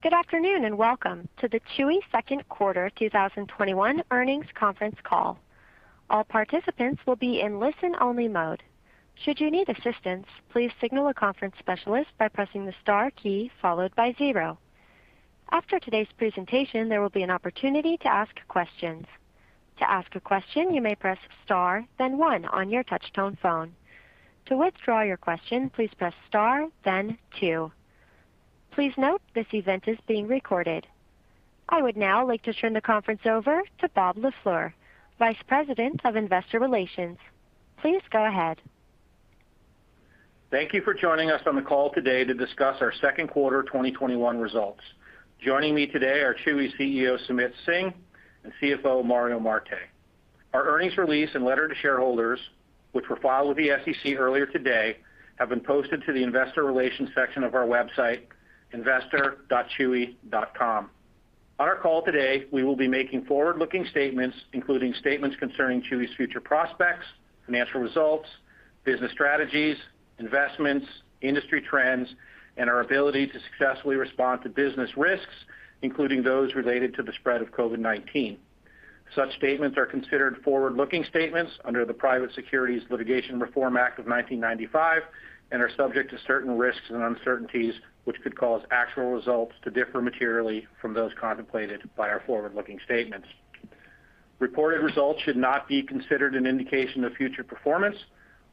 Good afternoon. Welcome to the Chewy second quarter 2021 earnings conference call. All participants will be in listen-only mode. Should you need assistance, please signal a conference specialist by pressing the star key followed by zero. After today's presentation, there will be an opportunity to ask questions. To ask a question, you may press star then one on your touch-tone phone. To withdraw your question, please press star then two. Please note this event is being recorded. I would now like to turn the conference over to Robert LaFleur, Vice President of Investor Relations. Please go ahead. Thank you for joining us on the call today to discuss our second quarter 2021 results. Joining me today are Chewy CEO, Sumit Singh, and CFO, Mario Marte. Our earnings release and letter to shareholders, which were filed with the SEC earlier today, have been posted to the investor relations section of our website, investor.chewy.com. On our call today, we will be making forward-looking statements, including statements concerning Chewy's future prospects, financial results, business strategies, investments, industry trends, and our ability to successfully respond to business risks, including those related to the spread of COVID-19. Such statements are considered forward-looking statements under the Private Securities Litigation Reform Act of 1995 and are subject to certain risks and uncertainties, which could cause actual results to differ materially from those contemplated by our forward-looking statements. Reported results should not be considered an indication of future performance.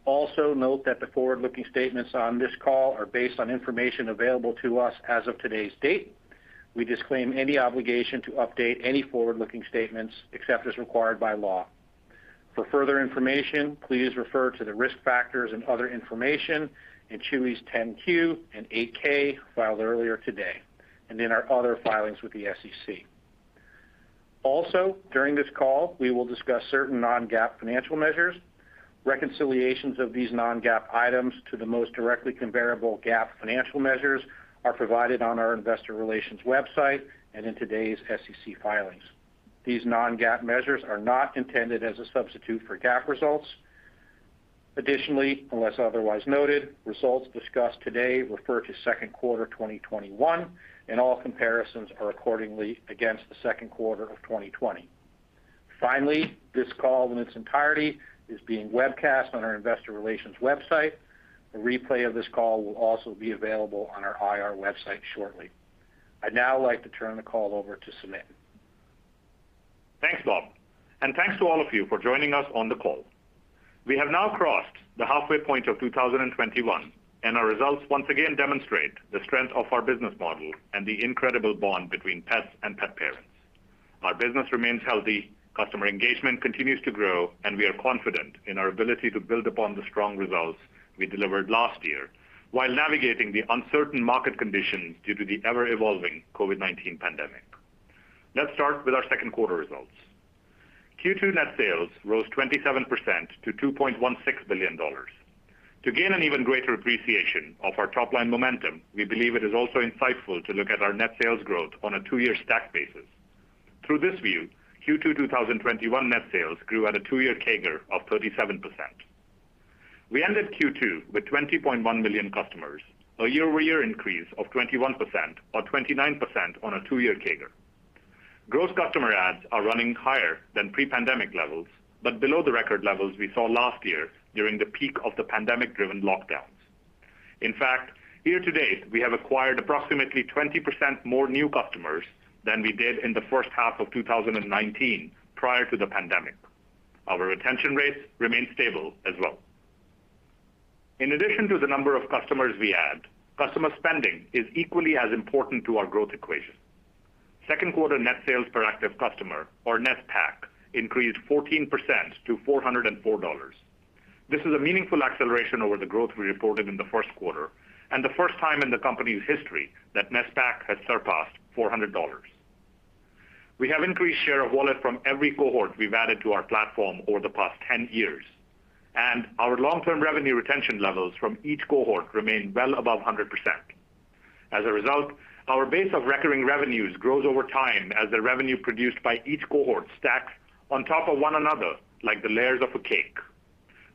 Also, note that the forward-looking statements on this call are based on information available to us as of today's date. We disclaim any obligation to update any forward-looking statements except as required by law. For further information, please refer to the risk factors and other information in Chewy's 10-Q and 8-K filed earlier today, and in our other filings with the SEC. Also, during this call, we will discuss certain non-GAAP financial measures. Reconciliations of these non-GAAP items to the most directly comparable GAAP financial measures are provided on our investor relations website and in today's SEC filings. These non-GAAP measures are not intended as a substitute for GAAP results. Additionally, unless otherwise noted, results discussed today refer to second quarter 2021, and all comparisons are accordingly against the second quarter of 2020. Finally, this call in its entirety is being webcast on our investor relations website. A replay of this call will also be available on our IR website shortly. I'd now like to turn the call over to Sumit. Thanks, Bob. Thanks to all of you for joining us on the call. We have now crossed the halfway point of 2021. Our results once again demonstrate the strength of our business model and the incredible bond between pets and pet parents. Our business remains healthy, customer engagement continues to grow. We are confident in our ability to build upon the strong results we delivered last year while navigating the uncertain market conditions due to the ever-evolving COVID-19 pandemic. Let's start with our second quarter results. Q2 net sales rose 27% to $2.16 billion. To gain an even greater appreciation of our top-line momentum, we believe it is also insightful to look at our net sales growth on a 2-year stack basis. Through this view, Q2 2021 net sales grew at a 2-year CAGR of 37%. We ended Q2 with 20.1 million customers, a year-over-year increase of 21%, or 29% on a 2-year CAGR. Gross customer adds are running higher than pre-pandemic levels, below the record levels we saw last year during the peak of the pandemic-driven lockdowns. In fact, year-to-date, we have acquired approximately 20% more new customers than we did in the first half of 2019, prior to the pandemic. Our retention rates remain stable as well. In addition to the number of customers we add, customer spending is equally as important to our growth equation. Second quarter net sales per active customer, or Net PAC, increased 14% to $404. This is a meaningful acceleration over the growth we reported in the first quarter, the first time in the company's history that Net PAC has surpassed $400. We have increased share of wallet from every cohort we've added to our platform over the past 10 years, and our long-term revenue retention levels from each cohort remain well above 100%. As a result, our base of recurring revenues grows over time as the revenue produced by each cohort stacks on top of one another, like the layers of a cake.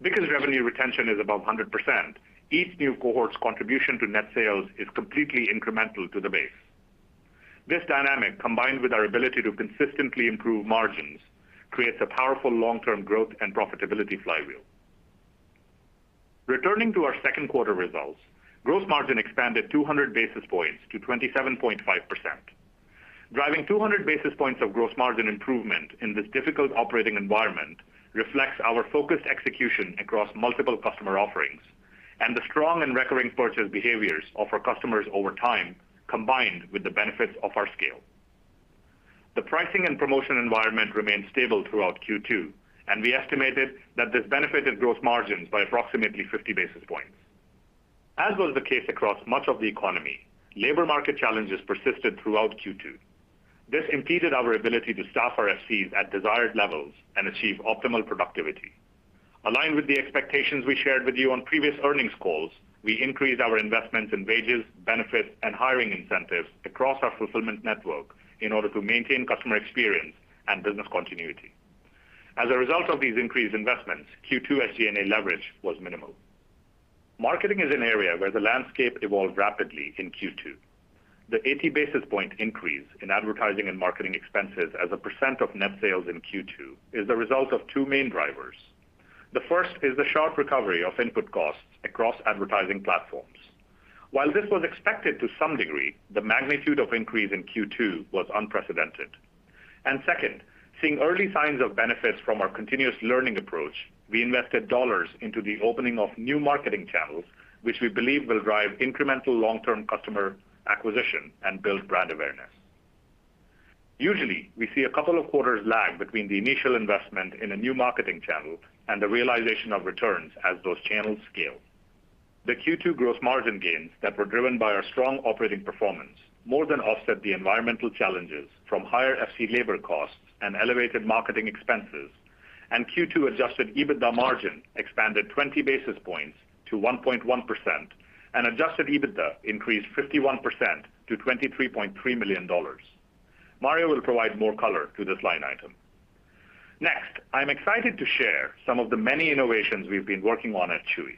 Because revenue retention is above 100%, each new cohort's contribution to net sales is completely incremental to the base. This dynamic, combined with our ability to consistently improve margins, creates a powerful long-term growth and profitability flywheel. Returning to our second quarter results, gross margin expanded 200 basis points to 27.5%. Driving 200 basis points of gross margin improvement in this difficult operating environment reflects our focused execution across multiple customer offerings and the strong and recurring purchase behaviors of our customers over time, combined with the benefits of our scale. The pricing and promotion environment remained stable throughout Q2, and we estimated that this benefited gross margins by approximately 50 basis points. As was the case across much of the economy, labor market challenges persisted throughout Q2. This impeded our ability to staff our FCs at desired levels and achieve optimal productivity. Aligned with the expectations we shared with you on previous earnings calls, we increased our investments in wages, benefits, and hiring incentives across our fulfillment network in order to maintain customer experience and business continuity. As a result of these increased investments, Q2 SG&A leverage was minimal. Marketing is an area where the landscape evolved rapidly in Q2. The 80 basis point increase in advertising and marketing expenses as a percent of net sales in Q2 is the result of two main drivers. The first is the sharp recovery of input costs across advertising platforms. While this was expected to some degree, the magnitude of increase in Q2 was unprecedented. Second, seeing early signs of benefits from our continuous learning approach, we invested dollars into the opening of new marketing channels, which we believe will drive incremental long-term customer acquisition and build brand awareness. Usually, we see a couple of quarters lag between the initial investment in a new marketing channel and the realization of returns as those channels scale. The Q2 gross margin gains that were driven by our strong operating performance more than offset the environmental challenges from higher FC labor costs and elevated marketing expenses, and Q2 adjusted EBITDA margin expanded 20 basis points to 1.1%, and adjusted EBITDA increased 51% to $23.3 million. Mario will provide more color to this line item. Next, I'm excited to share some of the many innovations we've been working on at Chewy.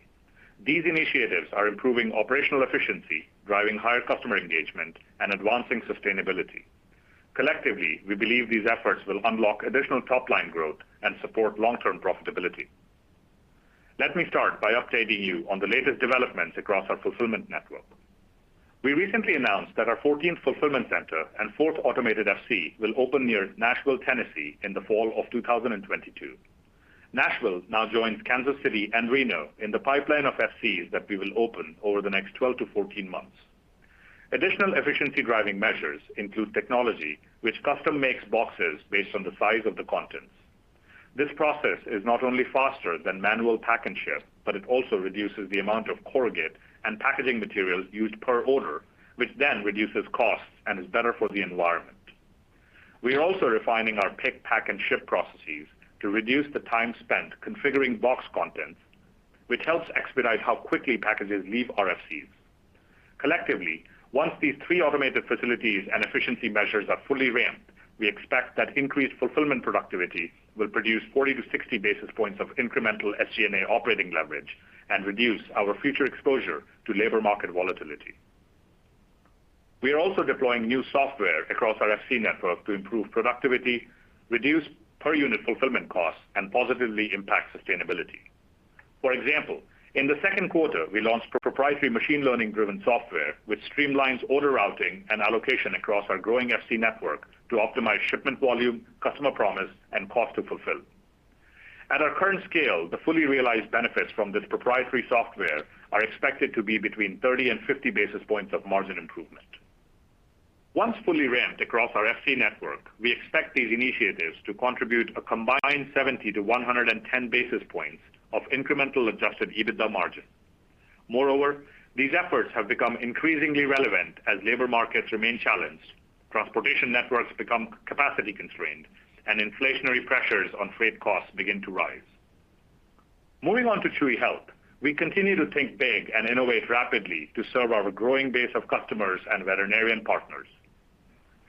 These initiatives are improving operational efficiency, driving higher customer engagement, and advancing sustainability. Collectively, we believe these efforts will unlock additional top-line growth and support long-term profitability. Let me start by updating you on the latest developments across our fulfillment network. We recently announced that our 14th fulfillment center and fourth automated FC will open near Nashville, Tennessee, in the fall of 2022. Nashville now joins Kansas City and Reno in the pipeline of FCs that we will open over the next 12-14 months. Additional efficiency-driving measures include technology which custom-makes boxes based on the size of the contents. This process is not only faster than manual pack and ship, but it also reduces the amount of corrugate and packaging materials used per order, which then reduces costs and is better for the environment. We are also refining our pick, pack, and ship processes to reduce the time spent configuring box contents, which helps expedite how quickly packages leave our FCs. Collectively, once these three automated facilities and efficiency measures are fully ramped, we expect that increased fulfillment productivity will produce 40-60 basis points of incremental SG&A operating leverage and reduce our future exposure to labor market volatility. We are also deploying new software across our FC network to improve productivity, reduce per-unit fulfillment costs, and positively impact sustainability. For example, in the second quarter, we launched proprietary machine learning-driven software which streamlines order routing and allocation across our growing FC network to optimize shipment volume, customer promise, and cost to fulfill. At our current scale, the fully realized benefits from this proprietary software are expected to be between 30 and 50 basis points of margin improvement. Once fully ramped across our FC network, we expect these initiatives to contribute a combined 70 to 110 basis points of incremental adjusted EBITDA margin. Moreover, these efforts have become increasingly relevant as labor markets remain challenged, transportation networks become capacity constrained, and inflationary pressures on freight costs begin to rise. Moving on to Chewy Health, we continue to think big and innovate rapidly to serve our growing base of customers and veterinarian partners.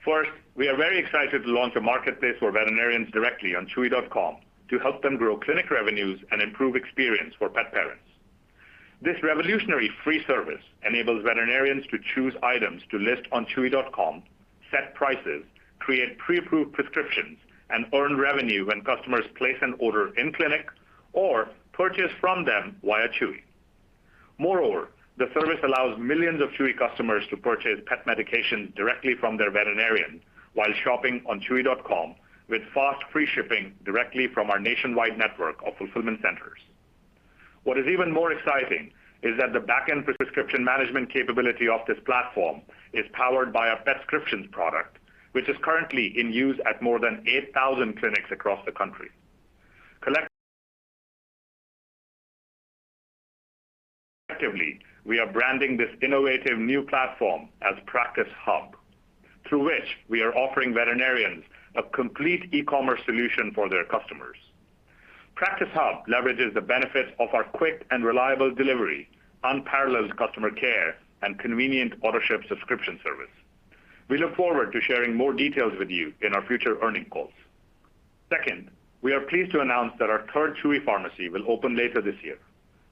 First, we are very excited to launch a marketplace for veterinarians directly on chewy.com to help them grow clinic revenues and improve experience for pet parents. This revolutionary free service enables veterinarians to choose items to list on chewy.com, set prices, create pre-approved prescriptions, and earn revenue when customers place an order in-clinic or purchase from them via Chewy. Moreover, the service allows millions of Chewy customers to purchase pet medication directly from their veterinarian while shopping on chewy.com with fast, free shipping directly from our nationwide network of fulfillment centers. What is even more exciting is that the back-end prescription management capability of this platform is powered by our Vetscriptions product, which is currently in use at more than 8,000 clinics across the country. Collectively, we are branding this innovative new platform as Practice Hub, through which we are offering veterinarians a complete e-commerce solution for their customers. Practice Hub leverages the benefits of our quick and reliable delivery, unparalleled customer care, and convenient Autoship subscription service. We look forward to sharing more details with you in our future earning calls. Second, we are pleased to announce that our third Chewy pharmacy will open later this year.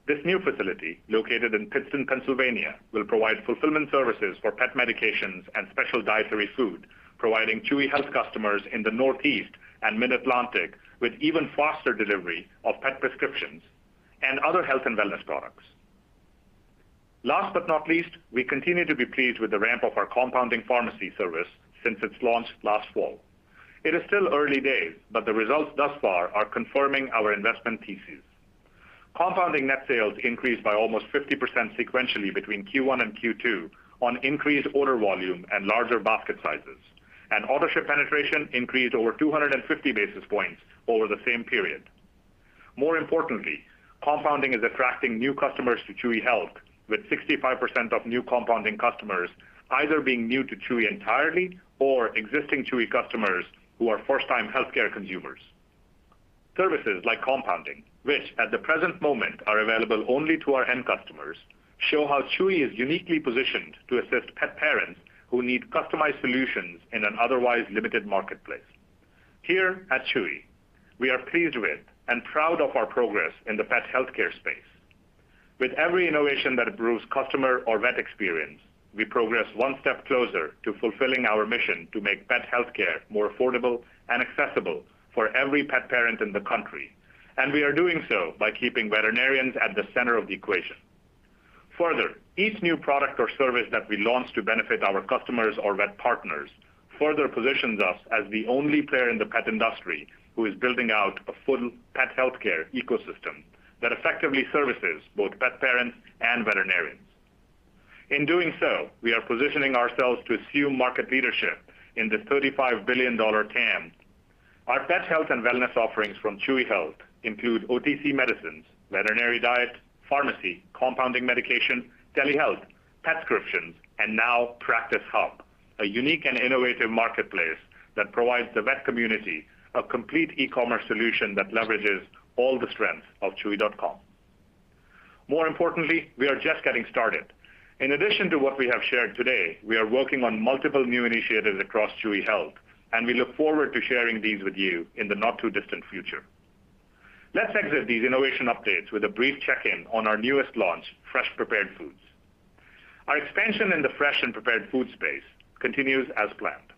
This new facility, located in Pittston, Pennsylvania, will provide fulfillment services for pet medications and special dietary food, providing Chewy Health customers in the Northeast and Mid-Atlantic with even faster delivery of pet prescriptions and other health and wellness products. Last but not least, we continue to be pleased with the ramp of our compounding pharmacy service since its launch last fall. It is still early days, the results thus far are confirming our investment thesis. Compounding net sales increased by almost 50% sequentially between Q1 and Q2 on increased order volume and larger basket sizes, and Autoship penetration increased over 250 basis points over the same period. More importantly, compounding is attracting new customers to Chewy Health, with 65% of new compounding customers either being new to Chewy entirely or existing Chewy customers who are first-time healthcare consumers. Services like compounding, which at the present moment are available only to our end customers, show how Chewy is uniquely positioned to assist pet parents who need customized solutions in an otherwise limited marketplace. Here at Chewy, we are pleased with and proud of our progress in the pet healthcare space. With every innovation that improves customer or vet experience, we progress one step closer to fulfilling our mission to make pet healthcare more affordable and accessible for every pet parent in the country. We are doing so by keeping veterinarians at the center of the equation. Further, each new product or service that we launch to benefit our customers or vet partners further positions us as the only player in the pet industry who is building out a full pet healthcare ecosystem that effectively services both pet parents and veterinarians. In doing so, we are positioning ourselves to assume market leadership in the $35 billion TAM. Our pet health and wellness offerings from Chewy Health include OTC medicines, veterinary diet, pharmacy, compounding medication, telehealth, prescriptions, and now Practice Hub, a unique and innovative marketplace that provides the vet community a complete e-commerce solution that leverages all the strengths of chewy.com. More importantly, we are just getting started. In addition to what we have shared today, we are working on multiple new initiatives across Chewy Health, and we look forward to sharing these with you in the not-too-distant future. Let's exit these innovation updates with a brief check-in on our newest launch, fresh prepared foods. Our expansion in the fresh and prepared food space continues as planned.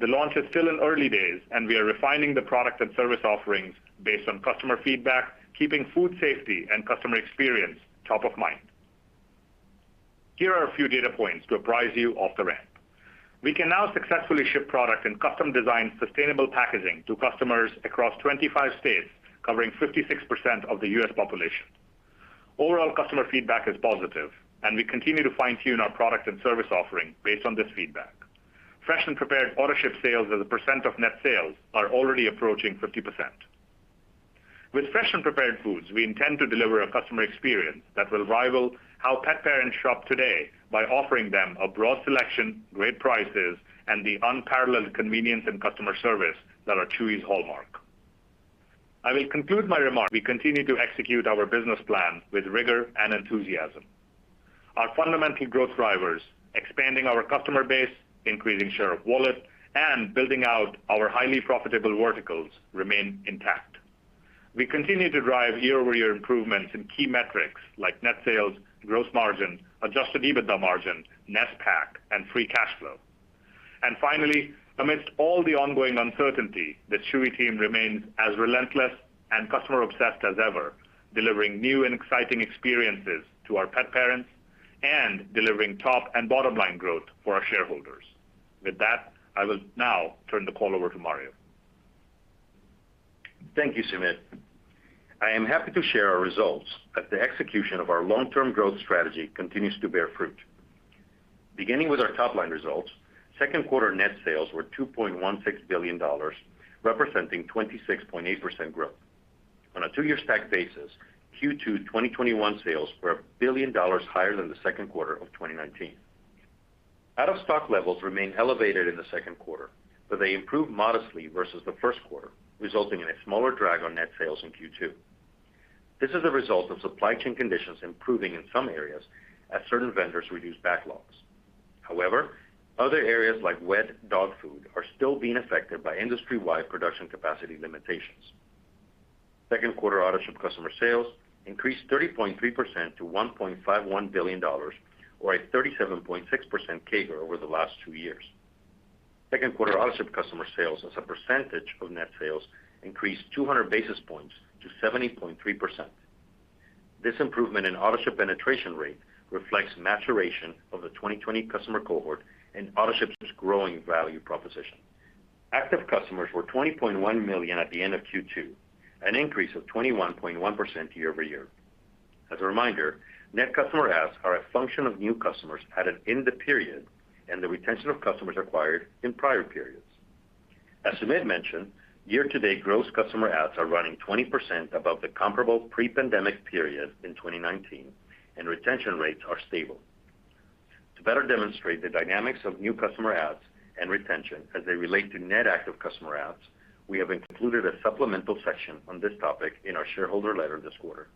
The launch is still in the early days, and we are refining the product and service offerings based on customer feedback, keeping food safety and customer experience top of mind. Here are a few data points to apprise you of the ramp. We can now successfully ship product in custom-designed sustainable packaging to customers across 25 states, covering 56% of the U.S. population. Overall customer feedback is positive, and we continue to fine-tune our product and service offering based on this feedback. Fresh and prepared Autoship sales as a percent of net sales are already approaching 50%. With fresh and prepared foods, we intend to deliver a customer experience that will rival how pet parents shop today by offering them a broad selection, great prices, and the unparalleled convenience and customer service that are Chewy's hallmark. I will conclude my remarks. We continue to execute our business plan with rigor and enthusiasm. Our fundamental growth drivers, expanding our customer base, increasing share of wallet, and building out our highly profitable verticals remain intact. We continue to drive year-over-year improvements in key metrics like net sales, gross margin, adjusted EBITDA margin, NSPAC, and free cash flow. Finally, amidst all the ongoing uncertainty, the Chewy team remains as relentless and customer-obsessed as ever, delivering new and exciting experiences to our pet parents and delivering top and bottom-line growth for our shareholders. With that, I will now turn the call over to Mario. Thank you, Sumit. I am happy to share our results as the execution of our long-term growth strategy continues to bear fruit. Beginning with our top-line results, second quarter net sales were $2.16 billion, representing 26.8% growth. On a two-year stack basis, Q2 2021 sales were $1 billion higher than the second quarter of 2019. Out-of-stock levels remained elevated in the second quarter, they improved modestly versus the first quarter, resulting in a smaller drag on net sales in Q2. This is a result of supply chain conditions improving in some areas as certain vendors reduce backlogs. Other areas like wet dog food are still being affected by industry-wide production capacity limitations. Second quarter Autoship customer sales increased 30.3% to $1.51 billion, or a 37.6% CAGR over the last two years. Second quarter Autoship customer sales as a percentage of net sales increased 200 basis points to 70.3%. This improvement in Autoship penetration rate reflects maturation of the 2020 customer cohort and Autoship's growing value proposition. Active customers were 20.1 million at the end of Q2, an increase of 21.1% year-over-year. As a reminder, net customer adds are a function of new customers added in the period and the retention of customers acquired in prior periods. As Sumit mentioned, year-to-date gross customer adds are running 20% above the comparable pre-pandemic period in 2019, and retention rates are stable. To better demonstrate the dynamics of new customer adds and retention as they relate to net active customer adds, we have included a supplemental section on this topic in our shareholder letter this quarter.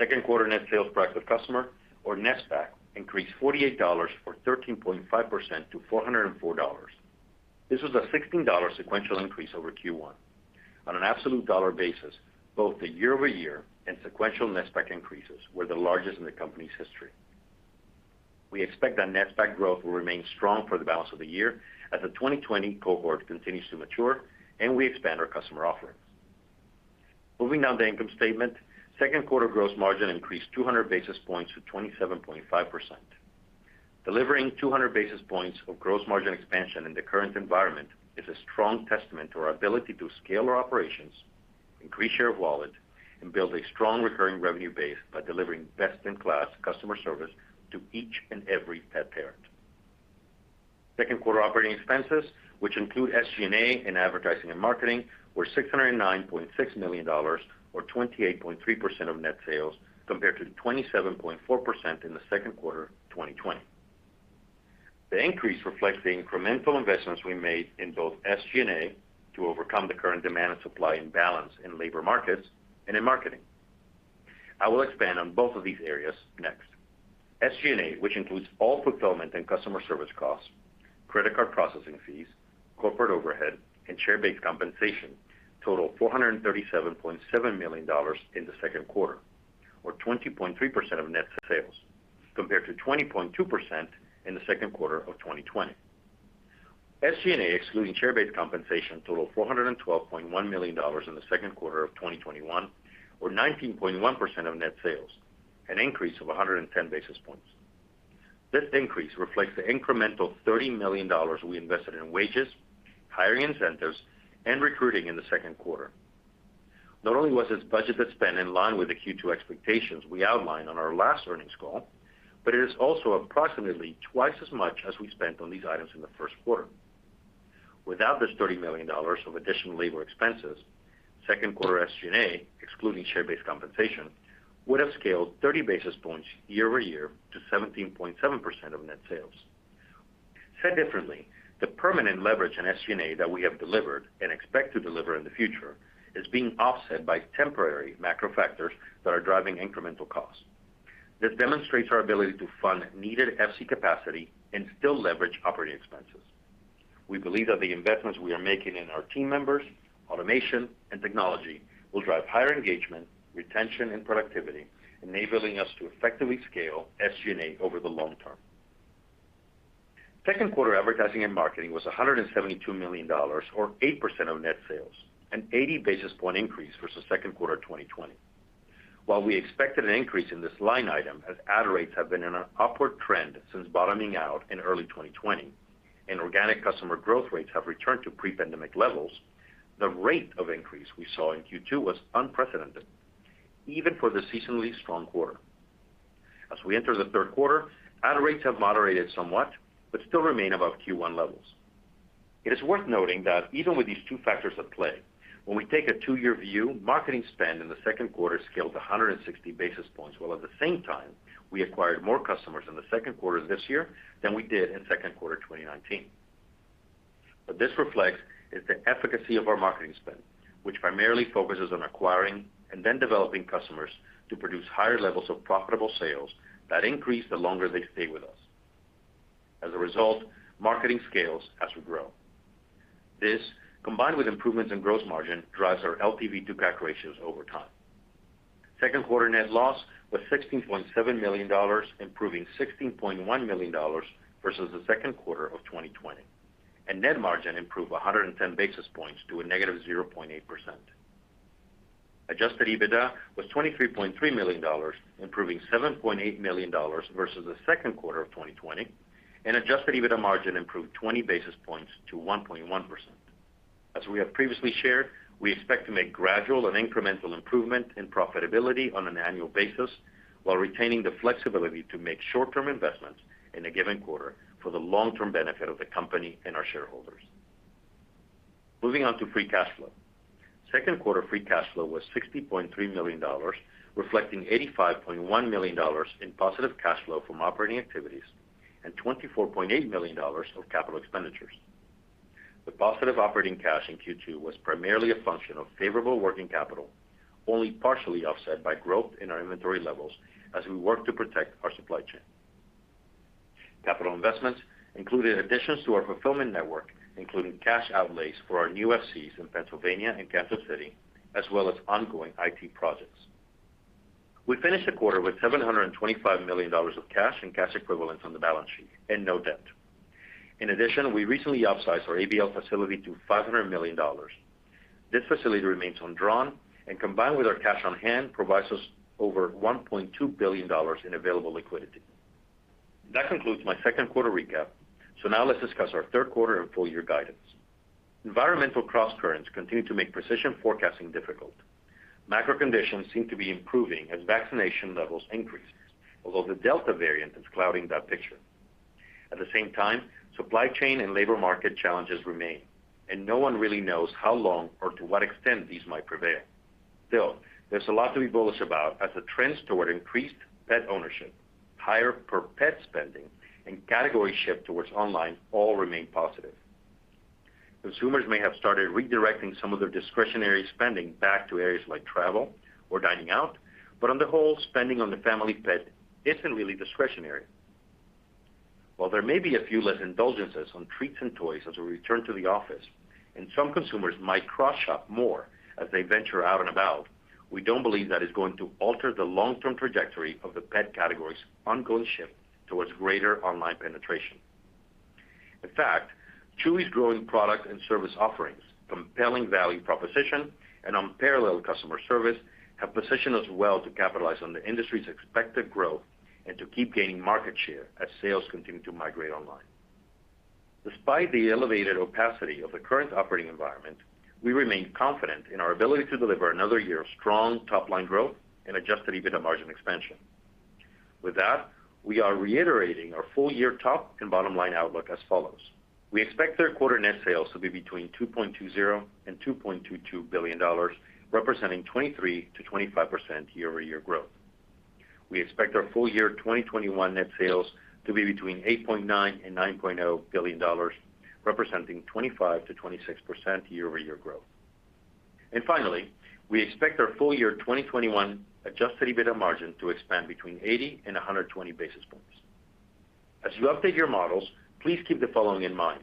Second quarter net sales per active customer or NSPAC increased $48, or 13.5% to $404. This was a $16 sequential increase over Q1. On an absolute dollar basis, both the year-over-year and sequential NSPAC increases were the largest in the company's history. We expect that NSPAC growth will remain strong for the balance of the year as the 2020 cohort continues to mature and we expand our customer offerings. Moving down the income statement, second quarter gross margin increased 200 basis points to 27.5%. Delivering 200 basis points of gross margin expansion in the current environment is a strong testament to our ability to scale our operations, increase share of wallet, and build a strong recurring revenue base by delivering best-in-class customer service to each and every pet parent. Second quarter operating expenses, which include SG&A and advertising and marketing, were $609.6 million, or 28.3% of net sales, compared to 27.4% in the second quarter 2020. The increase reflects the incremental investments we made in both SG&A to overcome the current demand and supply imbalance in labor markets and in marketing. I will expand on both of these areas next. SG&A, which includes all fulfillment and customer service costs, credit card processing fees, corporate overhead, and share-based compensation, totaled $437.7 million in the second quarter, or 20.3% of net sales, compared to 20.2% in the second quarter of 2020. SG&A, excluding share-based compensation, totaled $412.1 million in the second quarter of 2021, or 19.1% of net sales, an increase of 110 basis points. This increase reflects the incremental $30 million we invested in wages, hiring incentives, and recruiting in the second quarter. Not only was this budgeted spend in line with the Q2 expectations we outlined on our last earnings call, but it is also approximately twice as much as we spent on these items in the first quarter. Without this $30 million of additional labor expenses, second quarter SG&A, excluding share-based compensation, would have scaled 30 basis points year-over-year to 17.7% of net sales. Said differently, the permanent leverage in SG&A that we have delivered and expect to deliver in the future is being offset by temporary macro factors that are driving incremental costs. This demonstrates our ability to fund needed FC capacity and still leverage operating expenses. We believe that the investments we are making in our team members, automation, and technology will drive higher engagement, retention, and productivity, enabling us to effectively scale SG&A over the long term. Second quarter advertising and marketing was $172 million, or 8% of net sales, an 80 basis point increase versus second quarter 2020. While we expected an increase in this line item, as add rates have been in an upward trend since bottoming out in early 2020, and organic customer growth rates have returned to pre-pandemic levels, the rate of increase we saw in Q2 was unprecedented, even for the seasonally strong quarter. As we enter the third quarter, add rates have moderated somewhat, but still remain above Q1 levels. It is worth noting that even with these two factors at play, when we take a two-year view, marketing spend in the second quarter scaled 160 basis points, while at the same time, we acquired more customers in the second quarter of this year than we did in second quarter 2019. What this reflects is the efficacy of our marketing spend, which primarily focuses on acquiring and then developing customers to produce higher levels of profitable sales that increase the longer they stay with us. As a result, marketing scales as we grow. This, combined with improvements in gross margin, drives our LTV to CAC ratios over time. Second quarter net loss was $16.7 million, improving $16.1 million versus the second quarter of 2020, and net margin improved 110 basis points to a negative 0.8%. Adjusted EBITDA was $23.3 million, improving $7.8 million versus the second quarter of 2020, and adjusted EBITDA margin improved 20 basis points to 1.1%. As we have previously shared, we expect to make gradual and incremental improvement in profitability on an annual basis, while retaining the flexibility to make short-term investments in a given quarter for the long-term benefit of the company and our shareholders. Moving on to free cash flow. Second quarter free cash flow was $60.3 million, reflecting $85.1 million in positive cash flow from operating activities and $24.8 million of capital expenditures. The positive operating cash in Q2 was primarily a function of favorable working capital, only partially offset by growth in our inventory levels as we work to protect our supply chain. Capital investments included additions to our fulfillment network, including cash outlays for our new FCs in Pennsylvania and Kansas City, as well as ongoing IT projects. We finished the quarter with $725 million of cash and cash equivalents on the balance sheet and no debt. In addition, we recently upsized our ABL facility to $500 million. This facility remains undrawn and combined with our cash on hand, provides us over $1.2 billion in available liquidity. That concludes my second quarter recap, so now let's discuss our third quarter and full year guidance. Environmental crosscurrents continue to make precision forecasting difficult. Macro conditions seem to be improving as vaccination levels increase, although the Delta variant is clouding that picture. At the same time, supply chain and labor market challenges remain, and no one really knows how long or to what extent these might prevail. Still, there's a lot to be bullish about as the trends toward increased pet ownership, higher per pet spending, and category shift towards online all remain positive. Consumers may have started redirecting some of their discretionary spending back to areas like travel or dining out, but on the whole, spending on the family pet isn't really discretionary. While there may be a few less indulgences on treats and toys as we return to the office, and some consumers might cross-shop more as they venture out and about, we don't believe that is going to alter the long-term trajectory of the pet category's ongoing shift towards greater online penetration. In fact, Chewy's growing product and service offerings, compelling value proposition, and unparalleled customer service have positioned us well to capitalize on the industry's expected growth and to keep gaining market share as sales continue to migrate online. Despite the elevated opacity of the current operating environment, we remain confident in our ability to deliver another year of strong top-line growth and adjusted EBITDA margin expansion. With that, we are reiterating our full year top and bottom line outlook as follows. We expect third quarter net sales to be between $2.20 billion-$2.22 billion, representing 23%-25% year-over-year growth. We expect our full year 2021 net sales to be between $8.9 billion-$9.0 billion, representing 25%-26% year-over-year growth. Finally, we expect our full year 2021 adjusted EBITDA margin to expand between 80-120 basis points. As you update your models, please keep the following in mind.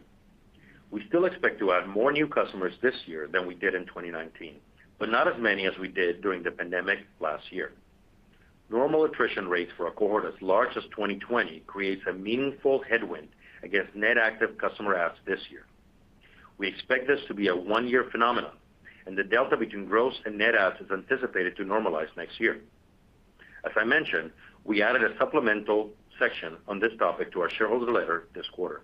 We still expect to add more new customers this year than we did in 2019, but not as many as we did during the pandemic last year. Normal attrition rates for a cohort as large as 2020 creates a meaningful headwind against net active customer adds this year. We expect this to be a one-year phenomenon, and the delta between gross and net adds is anticipated to normalize next year. As I mentioned, we added a supplemental section on this topic to our shareholder letter this quarter.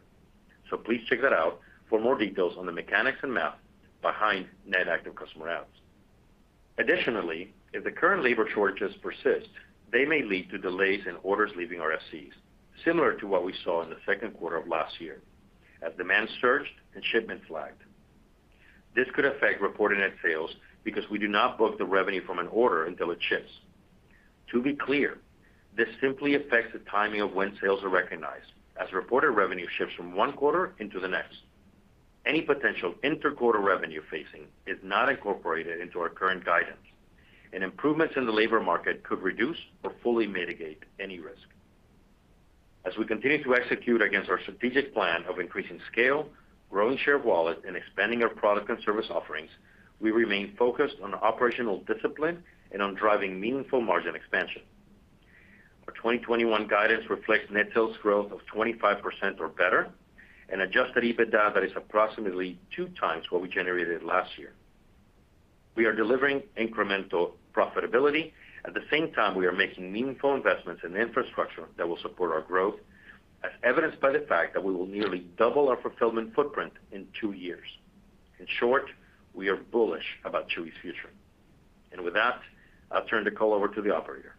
Please check that out for more details on the mechanics and math behind net active customer adds. Additionally, if the current labor shortages persist, they may lead to delays in orders leaving our FCs, similar to what we saw in the second quarter of last year, as demand surged and shipments lagged. This could affect reported net sales because we do not book the revenue from an order until it ships. To be clear, this simply affects the timing of when sales are recognized, as reported revenue shifts from one quarter into the next. Any potential inter-quarter revenue phasing is not incorporated into our current guidance, and improvements in the labor market could reduce or fully mitigate any risk. As we continue to execute against our strategic plan of increasing scale, growing share of wallet, and expanding our product and service offerings, we remain focused on operational discipline and on driving meaningful margin expansion. Our 2021 guidance reflects net sales growth of 25% or better and adjusted EBITDA that is approximately 2x what we generated last year. We are delivering incremental profitability. At the same time, we are making meaningful investments in infrastructure that will support our growth, as evidenced by the fact that we will nearly double our fulfillment footprint in two years. In short, we are bullish about Chewy's future. With that, I'll turn the call over to the operator.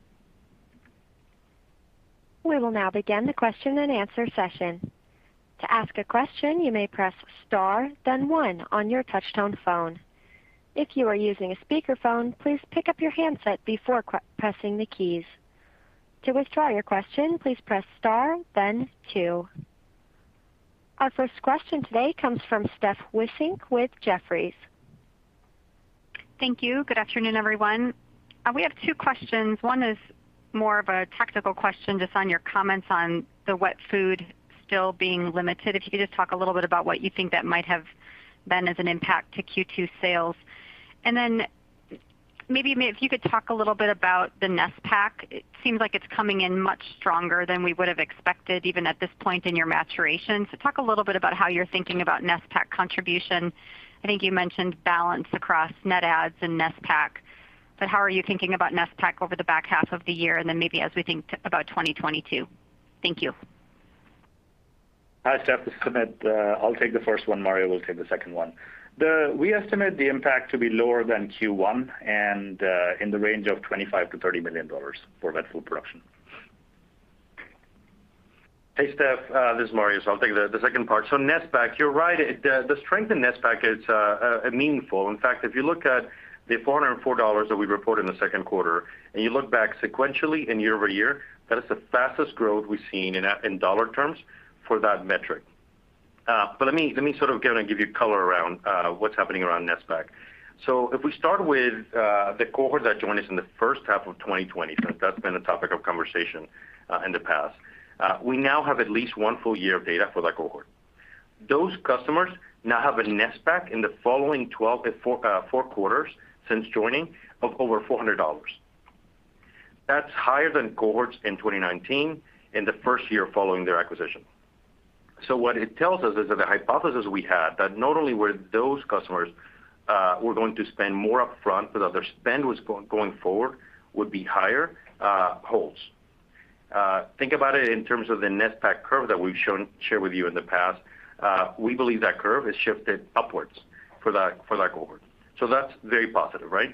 We will now begin the question and answer session. Our first question today comes from Stephanie Wissink with Jefferies. Thank you. Good afternoon, everyone. We have two questions. One is more of a tactical question just on your comments on the wet food still being limited. If you could just talk a little bit about what you think that might have been as an impact to Q2 sales. Then maybe if you could talk a little bit about the NSPAC. It seems like it's coming in much stronger than we would have expected, even at this point in your maturation. Talk a little bit about how you're thinking about NSPAC contribution. I think you mentioned balance across net adds and NSPAC, but how are you thinking about NSPAC over the back half of the year and then maybe as we think about 2022? Thank you. Hi, Steph. This is Sumit. I'll take the first one. Mario will take the second one. We estimate the impact to be lower than Q1 and in the range of $25 million-$30 million for wet food production. Hey, Steph. This is Mario. I'll take the second part. NSPAC, you're right. The strength in NSPAC is meaningful. In fact, if you look at the $404 that we reported in the second quarter, and you look back sequentially and year-over-year, that is the fastest growth we've seen in dollar terms for that metric. Let me sort of give you color around what's happening around NSPAC. If we start with the cohort that joined us in the first half of 2020, since that's been a topic of conversation in the past. We now have at least one full year of data for that cohort. Those customers now have a NSPAC in the following four quarters since joining of over $400. That's higher than cohorts in 2019 in the first year following their acquisition. What it tells us is that the hypothesis we had, that not only were those customers going to spend more upfront, but that their spend going forward would be higher, holds. Think about it in terms of the NSPAC curve that we've shared with you in the past. We believe that curve has shifted upwards for that cohort. That's very positive, right?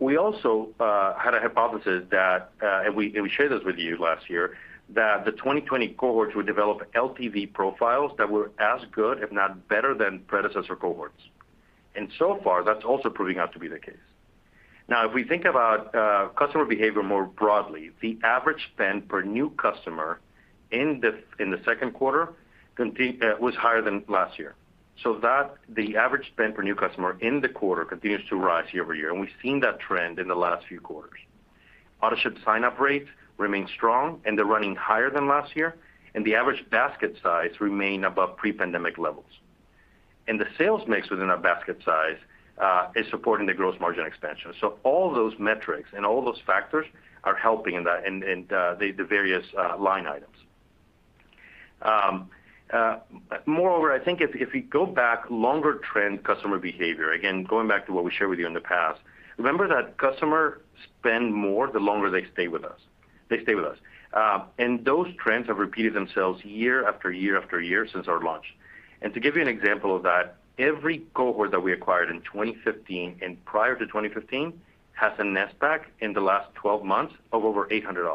We also had a hypothesis that, and we shared this with you last year, that the 2020 cohorts would develop LTV profiles that were as good, if not better than predecessor cohorts. So far, that's also proving out to be the case. If we think about customer behavior more broadly, the average spend per new customer in the second quarter was higher than last year. The average spend per new customer in the quarter continues to rise year-over-year, and we've seen that trend in the last few quarters. Autoship sign-up rates remain strong, and they're running higher than last year, and the average basket size remain above pre-pandemic levels. The sales mix within our basket size is supporting the gross margin expansion. All those metrics and all those factors are helping in the various line items. Moreover, I think if we go back longer trend customer behavior, again, going back to what we shared with you in the past, remember that customer spend more the longer they stay with us. Those trends have repeated themselves year after year after year since our launch. To give you an example of that, every cohort that we acquired in 2015 and prior to 2015 has a NSPAC in the last 12 months of over $800.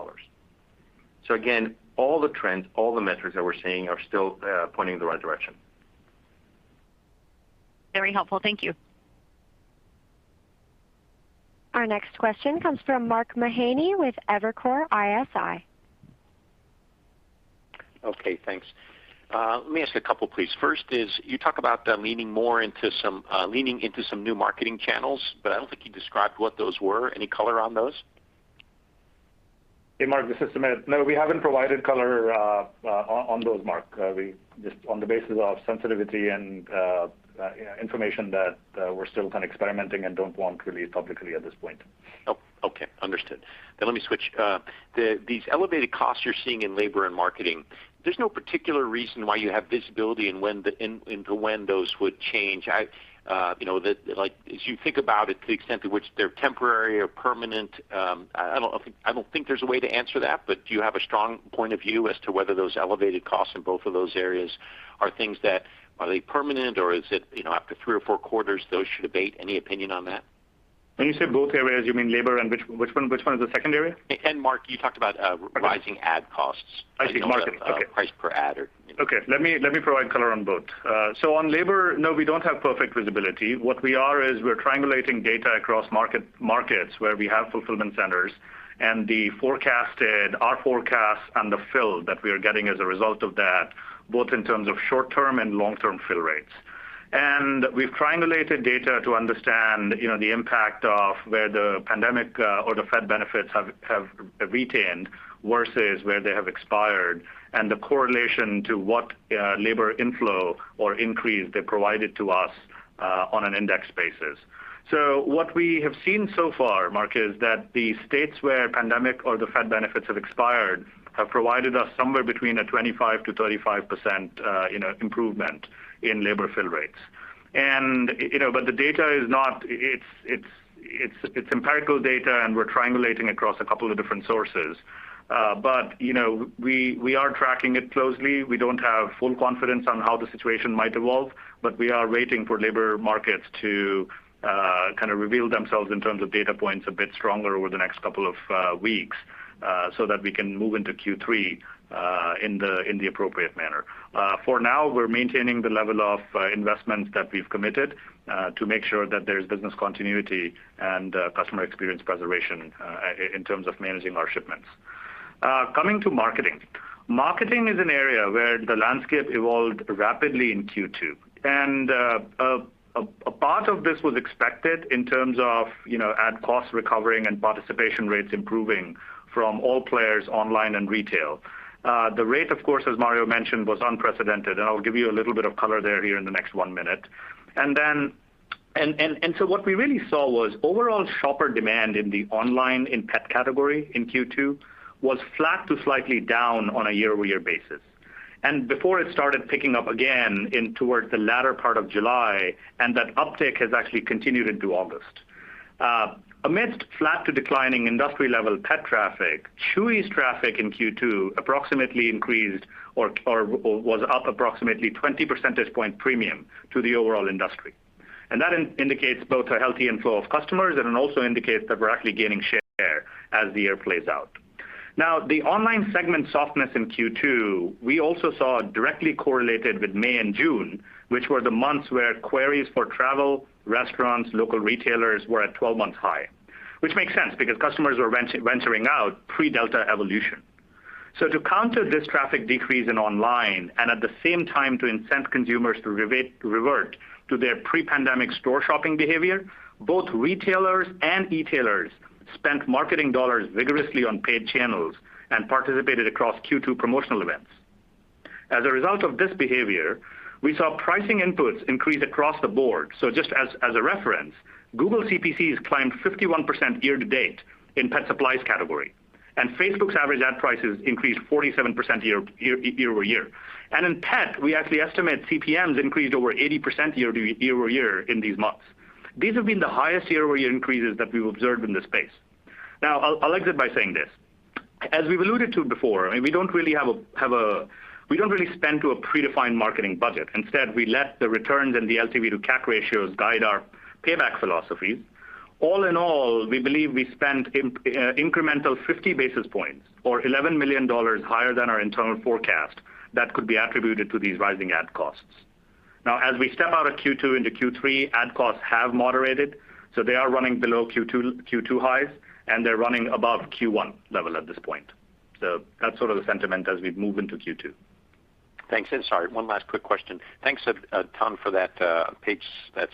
Again, all the trends, all the metrics that we're seeing are still pointing in the right direction. Very helpful. Thank you. Our next question comes from Mark Mahaney with Evercore ISI. Okay, thanks. Let me ask a couple, please. First is, you talk about leaning into some new marketing channels, but I don't think you described what those were. Any color on those? Hey, Mark. This is Sumit. No, we haven't provided color on those, Mark. Just on the basis of sensitivity and information that we're still kind of experimenting and don't want released publicly at this point. Oh, okay. Understood. Let me switch. These elevated costs you're seeing in labor and marketing, there's no particular reason why you have visibility into when those would change. As you think about it, to the extent to which they're temporary or permanent, I don't think there's a way to answer that, but do you have a strong point of view as to whether those elevated costs in both of those areas, are things that, are they permanent or is it, after 3 or 4 quarters, those should abate? Any opinion on that? When you say both areas, you mean labor and which one is the second area? Marketing, you talked about Okay rising adds costs. I see. Marketing. Okay. Price per ad. Okay. Let me provide color on both. On labor, no, we don't have perfect visibility. What we are is, we're triangulating data across markets where we have fulfillment centers, and our forecast and the fill that we are getting as a result of that, both in terms of short-term and long-term fill rates. We've triangulated data to understand the impact of where the pandemic, or the Fed benefits have retained versus where they have expired, and the correlation to what labor inflow or increase they provided to us on an index basis. What we have seen so far, Mark, is that the states where pandemic or the Fed benefits have expired, have provided us somewhere between a 25%-35% improvement in labor fill rates. The data, it's empirical data, and we're triangulating across a couple of different sources. We are tracking it closely. We don't have full confidence on how the situation might evolve, but we are waiting for labor markets to kind of reveal themselves in terms of data points a bit stronger over the next couple of weeks, so that we can move into Q3 in the appropriate manner. For now, we're maintaining the level of investments that we've committed, to make sure that there's business continuity and customer experience preservation in terms of managing our shipments. Coming to marketing. Marketing is an area where the landscape evolved rapidly in Q2. A part of this was expected in terms of add cost recovering and participation rates improving from all players online and retail. The rate, of course, as Mario mentioned, was unprecedented, and I'll give you a little bit of color there here in the next 1 minute. What we really saw was overall shopper demand in the online, in pet category in Q2, was flat to slightly down on a 1 year-over-year basis. Before it started picking up again in towards the latter part of July, and that uptick has actually continued into August. Amidst flat to declining industry-level pet traffic, Chewy's traffic in Q2 approximately increased, or was up approximately 20 percentage point premium to the overall industry. That indicates both a healthy inflow of customers and it also indicates that we're actually gaining share as the year plays out. The online segment softness in Q2, we also saw directly correlated with May and June, which were the months where queries for travel, restaurants, local retailers were at 12-month high. Which makes sense, because customers were venturing out pre-Delta variant. To counter this traffic decrease in online, and at the same time to incent consumers to revert to their pre-pandemic store shopping behavior, both retailers and e-tailers spent marketing dollars vigorously on paid channels and participated across Q2 promotional events. As a result of this behavior, we saw pricing inputs increase across the board. Just as a reference, Google CPCs climbed 51% year-to-date in pet supplies category, and Facebook's average add prices increased 47% year-over-year. In pet, we actually estimate CPMs increased over 80% year-over-year in these months. These have been the highest year-over-year increases that we've observed in this space. I'll exit by saying this. As we've alluded to before, we don't really spend to a predefined marketing budget. Instead, we let the returns and the LTV to CAC ratios guide our payback philosophies. All in all, we believe we spent incremental 50 basis points, or $11 million higher than our internal forecast that could be attributed to these rising add costs. As we step out of Q2 into Q3, add costs have moderated, they are running below Q2 highs, and they're running above Q1 level at this point. That's sort of the sentiment as we move into Q2. Thanks, sorry, one last quick question. Thanks a ton for that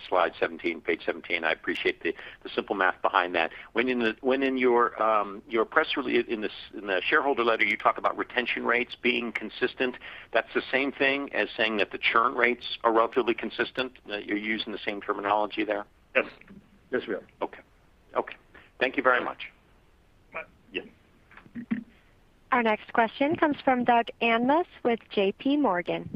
slide 17, page 17. I appreciate the simple math behind that. When in your shareholder letter, you talk about retention rates being consistent, that's the same thing as saying that the churn rates are relatively consistent, that you're using the same terminology there? Yes. Yes, we are. Okay. Thank you very much. Yes. Our next question comes from Doug Anmuth with JPMorgan.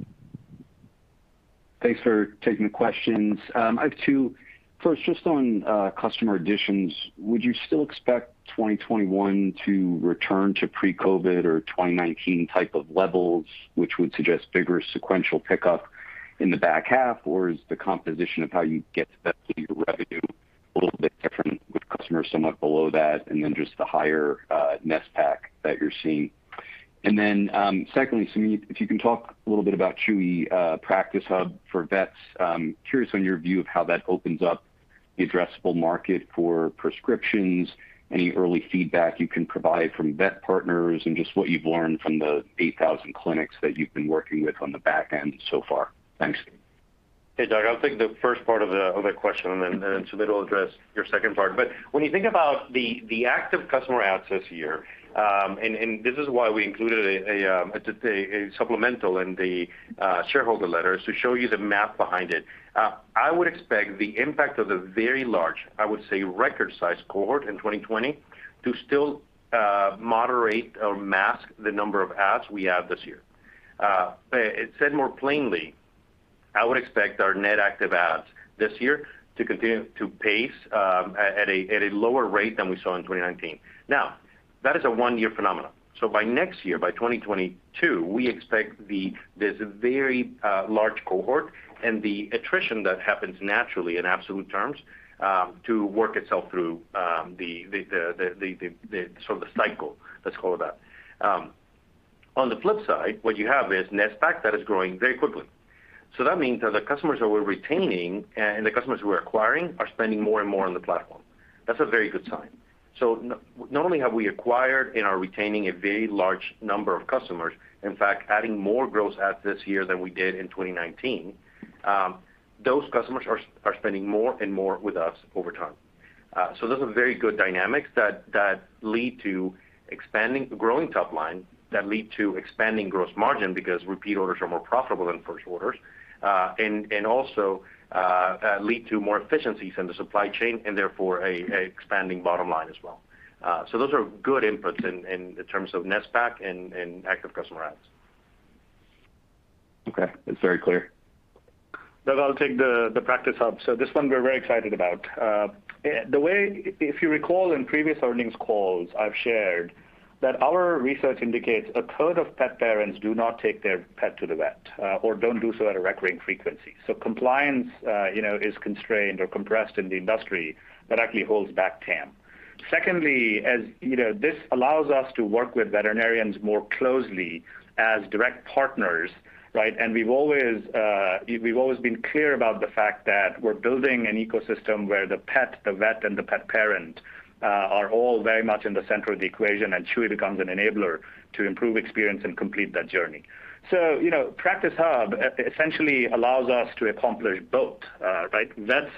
Thanks for taking the questions. I have two. First, just on customer additions, would you still expect 2021 to return to pre-COVID or 2019 type of levels, which would suggest bigger sequential pickup in the back half? Is the composition of how you get to that key revenue a little bit customers somewhat below that, and then just the higher NSPAC that you're seeing. Secondly, Sumit, if you can talk a little bit about Chewy Practice Hub for vets. Curious on your view of how that opens up the addressable market for prescriptions, any early feedback you can provide from vet partners, and just what you've learned from the 8,000 clinics that you've been working with on the back end so far. Thanks. Hey, Doug, I'll take the first part of the question, and then Sumit will address your second part. When you think about the active customer adds this year, and this is why we included a supplemental in the shareholder letter, is to show you the math behind it. I would expect the impact of the very large, I would say record-sized cohort in 2020 to still moderate or mask the number of adds we have this year. Said more plainly, I would expect our net active adds this year to continue to pace at a lower rate than we saw in 2019. Now, that is a one-year phenomenon. By next year, by 2022, we expect this very large cohort and the attrition that happens naturally in absolute terms to work itself through the cycle. Let's call it that. On the flip side, what you have is NSPAC that is growing very quickly. That means that the customers that we're retaining and the customers we're acquiring are spending more and more on the platform. That's a very good sign. Not only have we acquired and are retaining a very large number of customers, in fact, adding more gross adds this year than we did in 2019, those customers are spending more and more with us over time. Those are very good dynamics that lead to expanding, growing top line, that lead to expanding gross margin because repeat orders are more profitable than 1st orders, and also lead to more efficiencies in the supply chain, and therefore a expanding bottom line as well. Those are good inputs in terms of NSPAC and active customer adds. Okay. It's very clear. Doug, I'll take the Practice Hub. This one we're very excited about. If you recall in previous earnings calls, I've shared that our research indicates 1/3 of pet parents do not take their pet to the vet or don't do so at a recurring frequency. Compliance is constrained or compressed in the industry. That actually holds back TAM. Secondly, this allows us to work with veterinarians more closely as direct partners, right? We've always been clear about the fact that we're building an ecosystem where the pet, the vet, and the pet parent are all very much in the center of the equation, and Chewy becomes an enabler to improve experience and complete that journey. Practice Hub essentially allows us to accomplish both, right? Because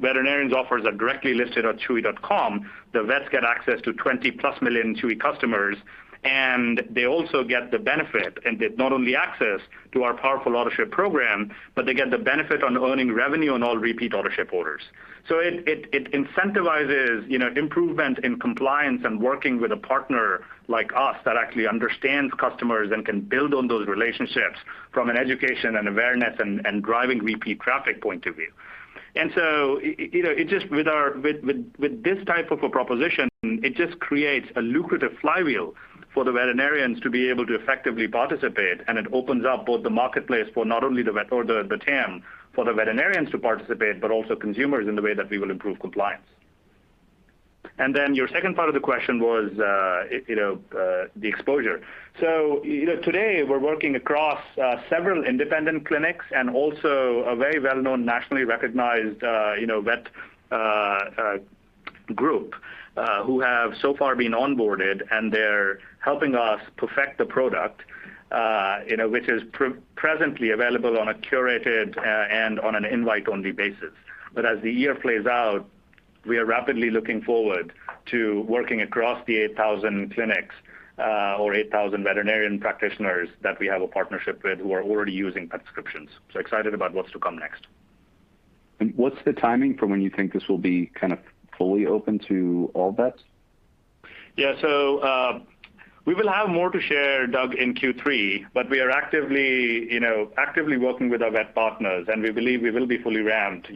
veterinarians' offers are directly listed on chewy.com, the vets get access to 20+ million Chewy customers, and they also get the benefit and not only access to our powerful Autoship program, but they get the benefit on earning revenue on all repeat Autoship orders. It incentivizes improvement in compliance and working with a partner like us that actually understands customers and can build on those relationships from an education and awareness and driving repeat traffic point of view. With this type of a proposition, it just creates a lucrative flywheel for the veterinarians to be able to effectively participate, and it opens up both the marketplace for not only the vet or the TAM for the veterinarians to participate, but also consumers in the way that we will improve compliance. Your second part of the question was the exposure. Today we're working across several independent clinics and also a very well-known, nationally recognized vet group who have so far been onboarded, and they're helping us perfect the product which is presently available on a curated and on an invite-only basis. As the year plays out, we are rapidly looking forward to working across the 8,000 clinics or 8,000 veterinarian practitioners that we have a partnership with who are already using prescriptions. Excited about what's to come next. What's the timing for when you think this will be kind of fully open to all vets? Yeah. We will have more to share, Doug, in Q3, but we are actively working with our vet partners, and we believe we will be fully ramped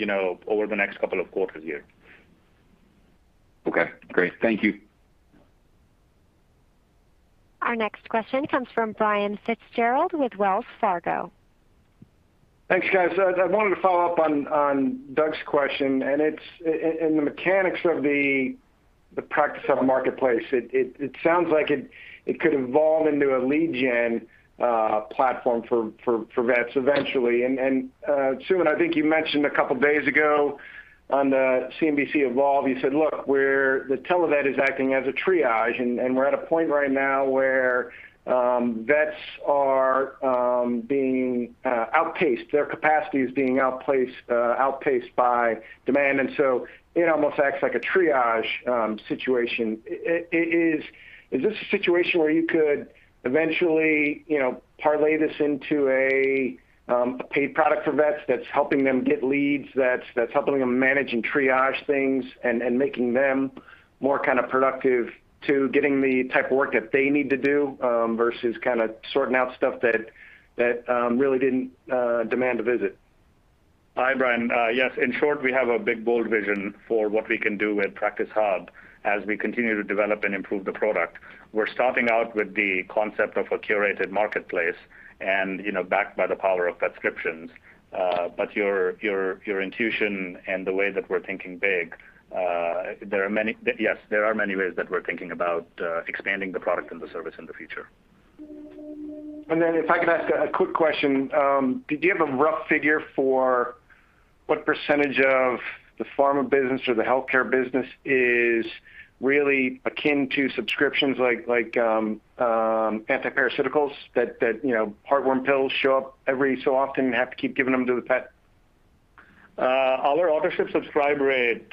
over the next couple of quarters here. Okay, great. Thank you. Our next question comes from Brian Fitzgerald with Wells Fargo. Thanks, guys. I wanted to follow up on Doug's question, and it's in the mechanics of the Practice Hub marketplace. It sounds like it could evolve into a lead gen platform for vets eventually. Sumit, I think you mentioned a couple of days ago on the CNBC Evolve, you said, "Look, the tele-vet is acting as a triage." We're at a point right now where vets are being outpaced. Their capacity is being outpaced by demand, and so it almost acts like a triage situation. Is this a situation where you could eventually parlay this into a paid product for vets that's helping them get leads, that's helping them manage and triage things, and making them more productive to getting the type of work that they need to do, versus kind of sorting out stuff that really didn't demand a visit? Hi, Brian. Yes, in short, we have a big, bold vision for what we can do with Practice Hub as we continue to develop and improve the product. We're starting out with the concept of a curated marketplace and backed by the power of prescriptions. Your intuition and the way that we're thinking big, yes, there are many ways that we're thinking about expanding the product and the service in the future. If I can ask a quick question, do you have a rough figure for what percentage of the pharma business or the healthcare business is really akin to subscriptions like antiparasiticals, that heartworm pills show up every so often and have to keep giving them to the pet? Our Autoship subscribe rate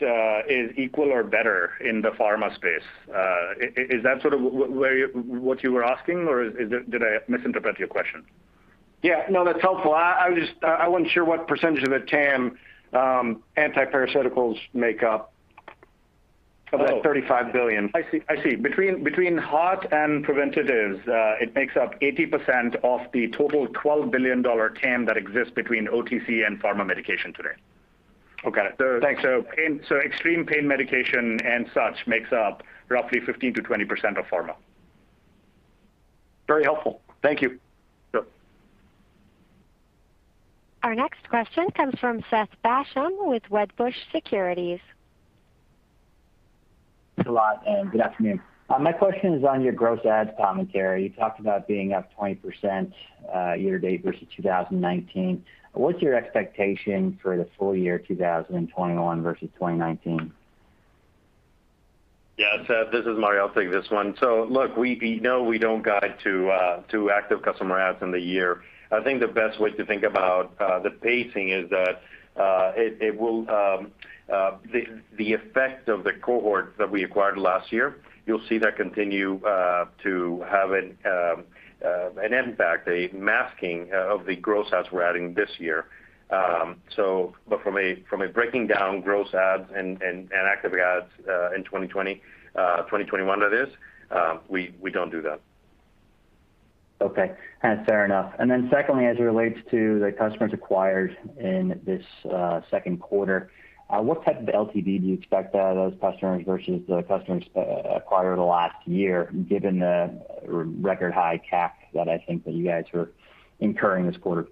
is equal or better in the pharma space. Is that what you were asking, or did I misinterpret your question? Yeah. No, that's helpful. I wasn't sure what percentage of the TAM antiparasiticals make up of that $35 billion. I see. Between heart and preventatives, it makes up 80% of the total $12 billion TAM that exists between OTC and pharma medication today. Okay. Thanks. Extreme pain medication and such makes up roughly 15%-20% of pharma. Very helpful. Thank you. Sure. Our next question comes from Seth Basham with Wedbush Securities. Thanks a lot, and good afternoon. My question is on your gross adds commentary. You talked about being up 20% year-to-date versus 2019. What's your expectation for the full year 2021 versus 2019? Yeah, Seth, this is Mario. I'll take this one. Look, we know we don't guide to active customer adds in the year. I think the best way to think about the pacing is that the effect of the cohort that we acquired last year, you'll see that continue to have an impact, a masking of the gross adds we're adding this year. From a breaking down gross adds and active adds in 2020, 2021 that is, we don't do that. Okay. Fair enough. Secondly, as it relates to the customers acquired in this second quarter, what type of LTV do you expect out of those customers versus the customers acquired the last year, given the record high CAC that I think that you guys were incurring this quarter?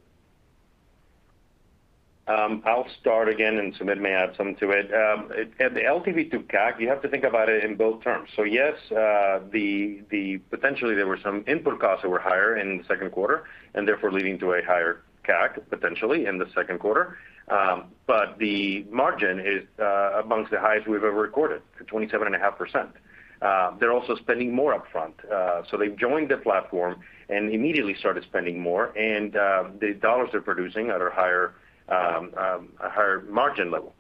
I'll start again, and Sumit may add something to it. The LTV to CAC, you have to think about it in both terms. Yes, potentially there were some input costs that were higher in the second quarter, and therefore leading to a higher CAC, potentially, in the second quarter. The margin is amongst the highest we've ever recorded, at 27.5%. They're also spending more upfront. They've joined the platform and immediately started spending more, and the dollars they're producing at a higher margin level.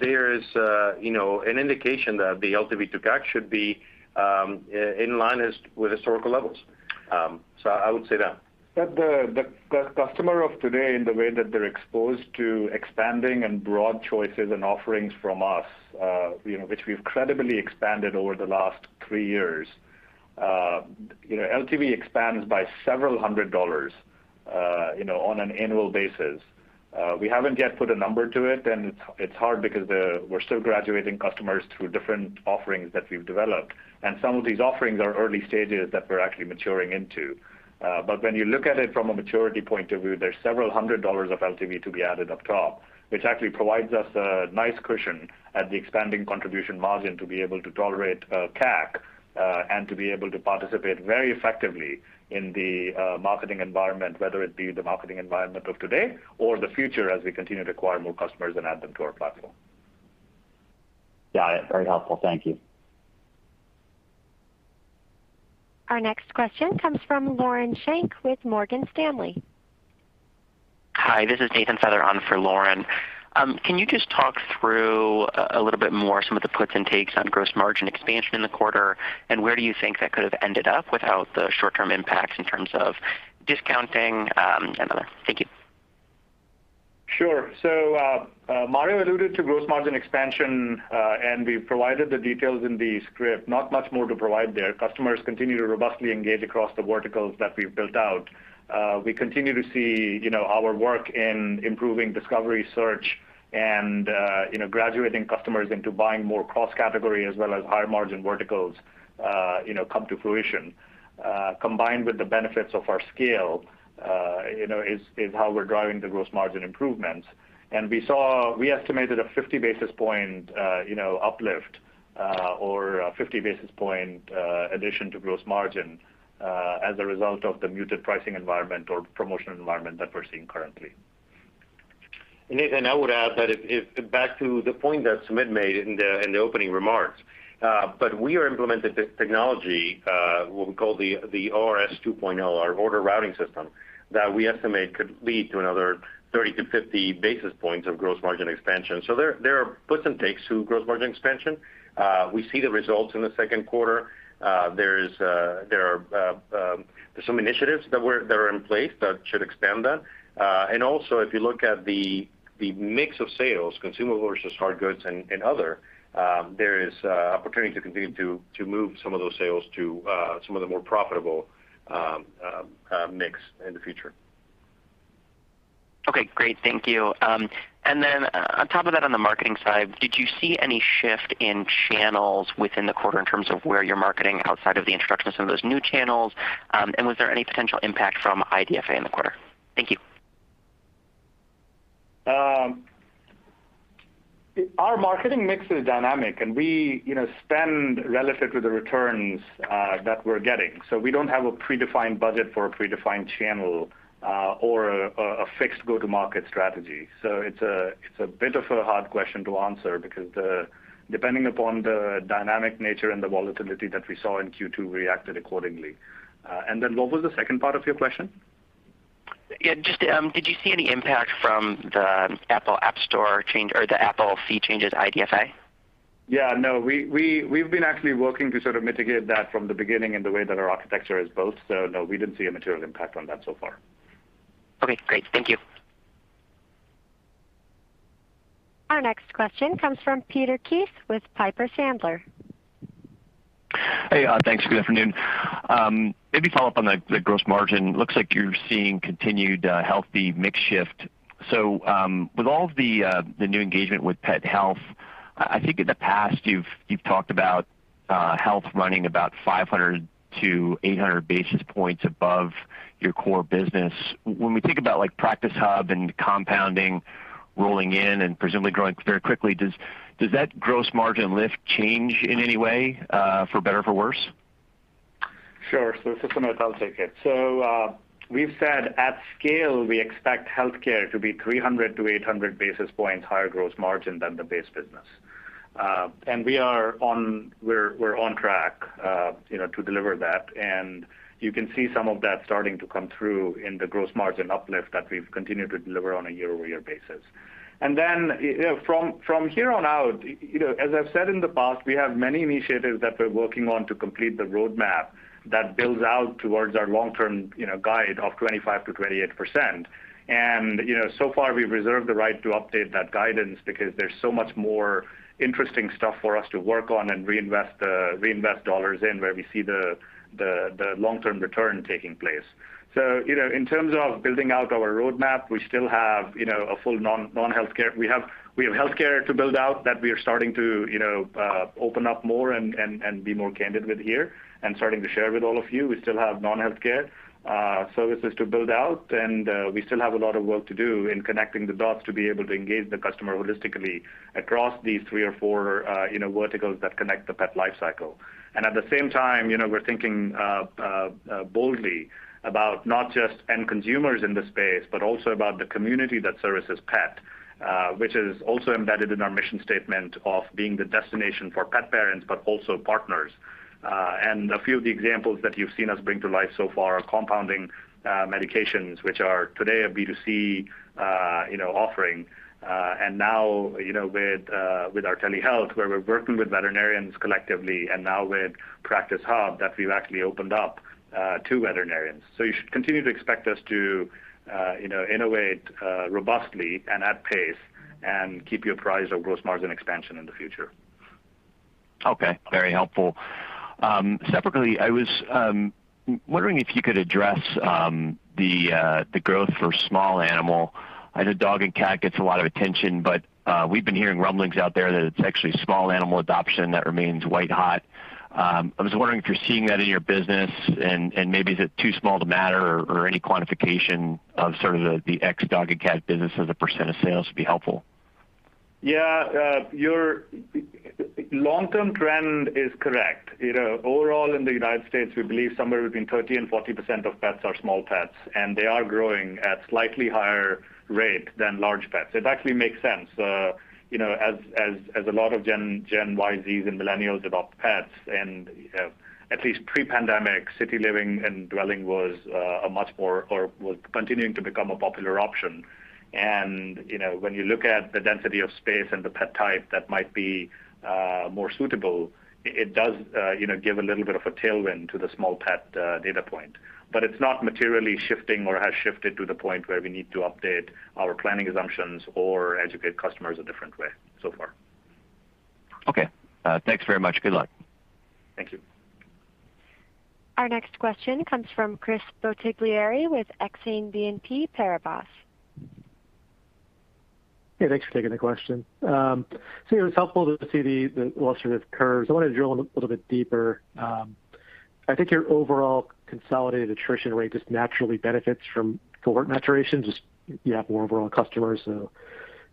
There is an indication that the LTV to CAC should be in line with historical levels. I would say that. The customer of today in the way that they're exposed to expanding and broad choices and offerings from us, which we've credibly expanded over the last three years. LTV expands by several hundred dollars on an annual basis. We haven't yet put a number to it, and it's hard because we're still graduating customers through different offerings that we've developed. Some of these offerings are early stages that we're actually maturing into. When you look at it from a maturity point of view, there's several hundred dollars of LTV to be added up top, which actually provides us a nice cushion at the expanding contribution margin to be able to tolerate CAC, and to be able to participate very effectively in the marketing environment, whether it be the marketing environment of today or the future as we continue to acquire more customers and add them to our platform. Yeah. Very helpful. Thank you. Our next question comes from Lauren Schenk with Morgan Stanley. Hi, this is Nathan Feather on for Lauren. Can you just talk through a little bit more some of the puts and takes on gross margin expansion in the quarter, and where do you think that could have ended up without the short-term impacts in terms of discounting and other? Thank you. Sure. Mario alluded to gross margin expansion, and we've provided the details in the script. Not much more to provide there. Customers continue to robustly engage across the verticals that we've built out. We continue to see our work in improving discovery search and graduating customers into buying more cross-category as well as higher margin verticals come to fruition. Combined with the benefits of our scale, is how we're driving the gross margin improvements. We estimated a 50 basis point uplift, or a 50 basis point addition to gross margin, as a result of the muted pricing environment or promotional environment that we're seeing currently. Nathan, I would add that back to the point that Sumit made in the opening remarks, but we implemented technology, what we call the ORS 2.0, our order routing system, that we estimate could lead to another 30-50 basis points of gross margin expansion. There are puts and takes to gross margin expansion. We see the results in the second quarter. There's some initiatives that are in place that should expand that. Also, if you look at the mix of sales, consumable versus hard goods and other, there is opportunity to continue to move some of those sales to some of the more profitable mix in the future. Okay, great. Thank you. On top of that, on the marketing side, did you see any shift in channels within the quarter in terms of where you're marketing outside of the introduction of some of those new channels? Was there any potential impact from IDFA in the quarter? Thank you. Our marketing mix is dynamic, and we spend relative to the returns that we're getting. We don't have a predefined budget for a predefined channel or a fixed go-to-market strategy. It's a bit of a hard question to answer because depending upon the dynamic nature and the volatility that we saw in Q2, we reacted accordingly. What was the second part of your question? Yeah, just did you see any impact from the Apple App Store change or the Apple fee changes IDFA? Yeah, no, we've been actually working to mitigate that from the beginning in the way that our architecture is built. No, we didn't see a material impact on that so far. Okay, great. Thank you. Our next question comes from Peter Keith with Piper Sandler. Hey, thanks. Good afternoon. Maybe follow up on the gross margin. Looks like you're seeing continued healthy mix shift. With all of the new engagement with pet health, I think in the past, you've talked about health running about 500-800 basis points above your core business. When we think about Practice Hub and compounding rolling in and presumably growing very quickly, does that gross margin lift change in any way, for better or for worse? Sure. Sumit, I'll take it. We've said at scale, we expect healthcare to be 300-800 basis points higher gross margin than the base business. We're on track to deliver that. You can see some of that starting to come through in the gross margin uplift that we've continued to deliver on a year-over-year basis. Then, from here on out, as I've said in the past, we have many initiatives that we're working on to complete the roadmap that builds out towards our long-term guide of 25%-28%. So far, we've reserved the right to update that guidance because there's so much more interesting stuff for us to work on and reinvest dollars in where we see the long-term return taking place. In terms of building out our roadmap, we have healthcare to build out that we are starting to open up more and be more candid with here and starting to share with all of you. We still have non-healthcare services to build out, and we still have a lot of work to do in connecting the dots to be able to engage the customer holistically across these three or four verticals that connect the pet life cycle. At the same time, we're thinking boldly about not just end consumers in the space, but also about the community that services pet, which is also embedded in our mission statement of being the destination for pet parents, but also partners. A few of the examples that you've seen us bring to life so far are compounding medications, which are today a B2C offering. Now, with our telehealth, where we're working with veterinarians collectively, and now with Practice Hub, that we've actually opened up to veterinarians. You should continue to expect us to innovate robustly and at pace and keep you apprised of gross margin expansion in the future. Okay. Very helpful. Separately, I was wondering if you could address the growth for small animal. I know dog and cat gets a lot of attention, but we've been hearing rumblings out there that it's actually small animal adoption that remains white hot. I was wondering if you're seeing that in your business, and maybe is it too small to matter or any quantification of sort of the ex-dog and cat business as a percent of sales would be helpful. Yeah, your long-term trend is correct. Overall in the U.S., we believe somewhere between 30% and 40% of pets are small pets, and they are growing at slightly higher rate than large pets. It actually makes sense. A lot of Gen Zs and Millennials adopt pets, and at least pre-pandemic, city living and dwelling was continuing to become a popular option. When you look at the density of space and the 1 pet type that might be more suitable, it does give a little bit of a tailwind to the small pet data point. It's not materially shifting or has shifted to the point where we need to update our planning assumptions or educate customers a different way so far. Okay. Thanks very much. Good luck. Thank you. Our next question comes from Chris Bottiglieri with Exane BNP Paribas. Hey, thanks for taking the question. It was helpful to see the illustrative curves. I wanted to drill a little bit deeper. I think your overall consolidated attrition rate just naturally benefits from cohort maturation, just you have more overall customers, so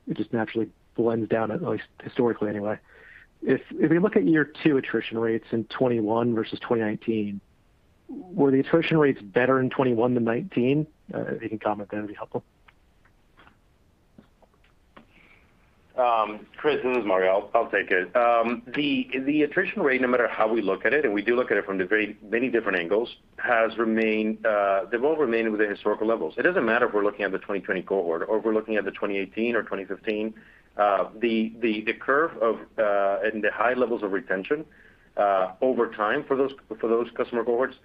it just naturally blends down, at least historically anyway. If you look at year 2 attrition rates in 2021 versus 2019, were the attrition rates better in 2021 than 2019? If you can comment, that would be helpful. Chris, this is Mario. I'll take it. The attrition rate, no matter how we look at it, and we do look at it from many different angles, they've all remained within historical levels. It doesn't matter if we're looking at the 2020 cohort or if we're looking at the 2018 or 2015. The curve and the high levels of retention over time for those customer cohorts,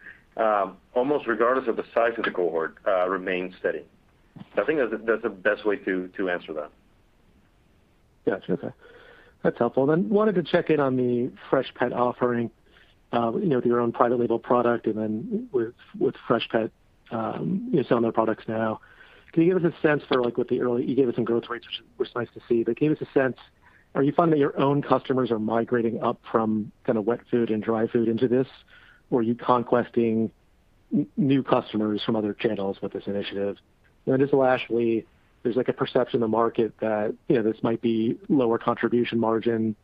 almost regardless of the size of the cohort, remains steady. I think that's the best way to answer that. Gotcha. Okay. That's helpful. Wanted to check in on the Freshpet offering, with your own private label product and then with Freshpet, you sell their products now. Can you give us a sense for what the early-- You gave us some growth rates, which was nice to see, but give us a sense, are you finding that your own customers are migrating up from kind of wet food and dry food into this? Are you conquesting new customers from other channels with this initiative? Just lastly, there's like a perception in the market that this might be lower contribution margin,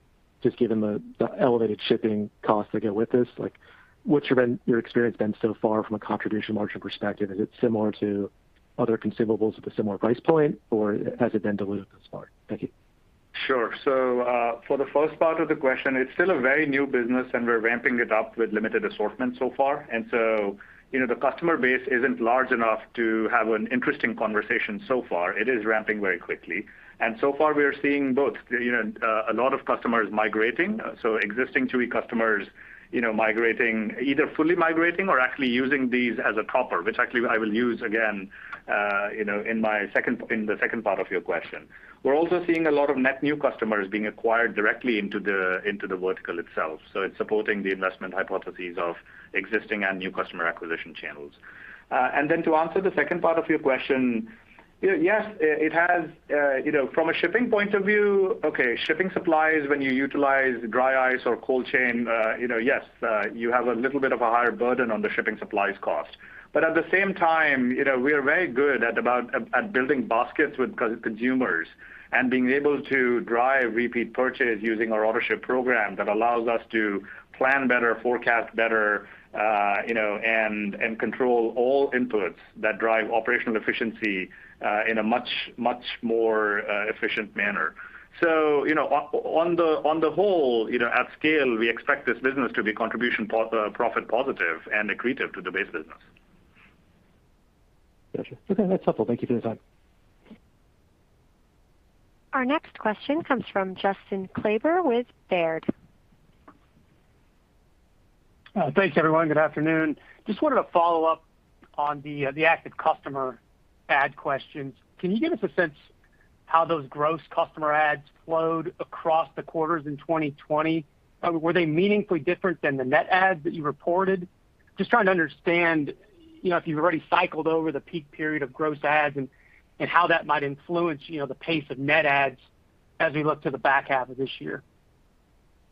just given the elevated shipping costs that go with this. What's your experience been so far from a contribution margin perspective? Is it similar to other consumables at the similar price point, or has it been diluted thus far? Thank you. Sure. For the first part of the question, it's still a very new business, we're ramping it up with limited assortment so far. The customer base isn't large enough to have an interesting conversation so far. It is ramping very quickly. So far, we are seeing both. A lot of customers migrating, so existing Chewy customers either fully migrating or actually using these as a topper, which actually I will use again in the second part of your question. We're also seeing a lot of net new customers being acquired directly into the vertical itself. It's supporting the investment hypotheses of existing and new customer acquisition channels. To answer the second part of your question, yes, from a shipping point of view, okay, shipping supplies, when you utilize dry ice or cold chain, yes, you have a little bit of a higher burden on the shipping supplies cost. At the same time, we are very good at building baskets with consumers and being able to drive repeat purchase using our Autoship program that allows us to plan better, forecast better, and control all inputs that drive operational efficiency in a much more efficient manner. On the whole, at scale, we expect this business to be contribution profit positive and accretive to the base business. Gotcha. Okay. That's helpful. Thank you for the time. Our next question comes from Justin Kleber with Baird. Thanks, everyone. Good afternoon. Just wanted to follow up on the active customer ad questions. Can you give us a sense how those gross customer ads flowed across the quarters in 2020? Were they meaningfully different than the net ads that you reported? Just trying to understand if you've already cycled over the peak period of gross ads and how that might influence the pace of net ads as we look to the back half of this year.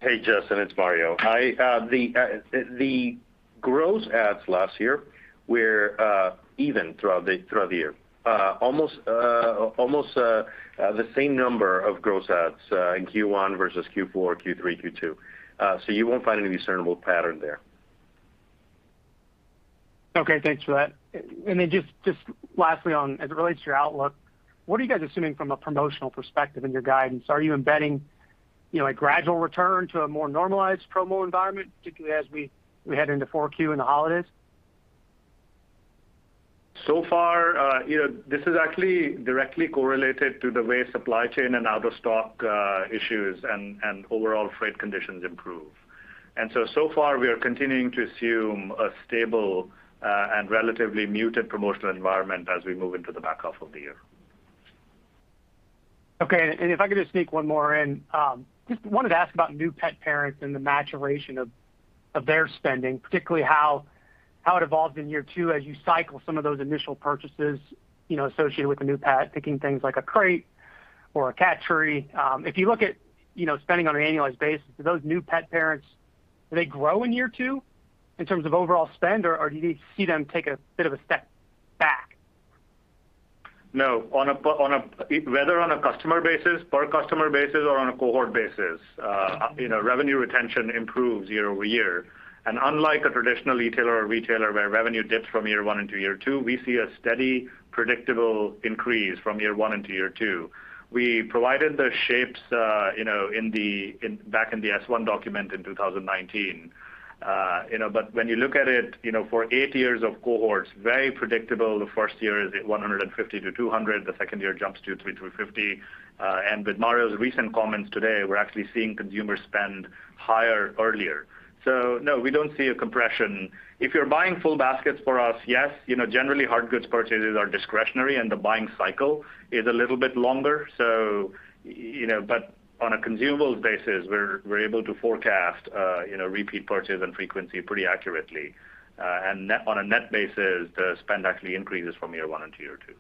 Hey, Justin, it's Mario. The gross adds last year were even throughout the year. Almost the same number of gross adds in Q1 versus Q4, Q3, Q2. You won't find any discernible pattern there. Okay. Thanks for that. Just lastly on as it relates to your outlook, what are you guys assuming from a promotional perspective in your guidance? Are you embedding a gradual return to a more normalized promo environment, particularly as we head into 4Q and the holidays? This is actually directly correlated to the way supply chain and out-of-stock issues and overall freight conditions improve. So far, we are continuing to assume a stable and relatively muted promotional environment as we move into the back half of the year. Okay. If I could just sneak one more in. Just wanted to ask about new pet parents and the maturation of their spending, particularly how it evolved in year 2 as you cycle some of those initial purchases associated with the new pet, picking things like a crate or a cat tree. If you look at spending on an annualized basis, do those new pet parents, do they grow in year 2 in terms of overall spend, or do you see them take a bit of a step back? No. Whether on a customer basis, per customer basis, or on a cohort basis, revenue retention improves year-over-year. Unlike a traditional retailer where revenue dips from year 1 into year 2, we see a steady, predictable increase from year 1 into year 2. We provided the shapes back in the S-1 document in 2019. When you look at it, for 8 years of cohorts, very predictable. The first year is at $150-$200. The second year jumps to $350. With Mario's recent comments today, we're actually seeing consumer spend higher earlier. No, we don't see a compression. If you're buying full baskets for us, yes. Generally, hard goods purchases are discretionary, and the buying cycle is a little bit longer. On a consumables basis, we're able to forecast repeat purchase and frequency pretty accurately. On a net basis, the spend actually increases from year one into year two.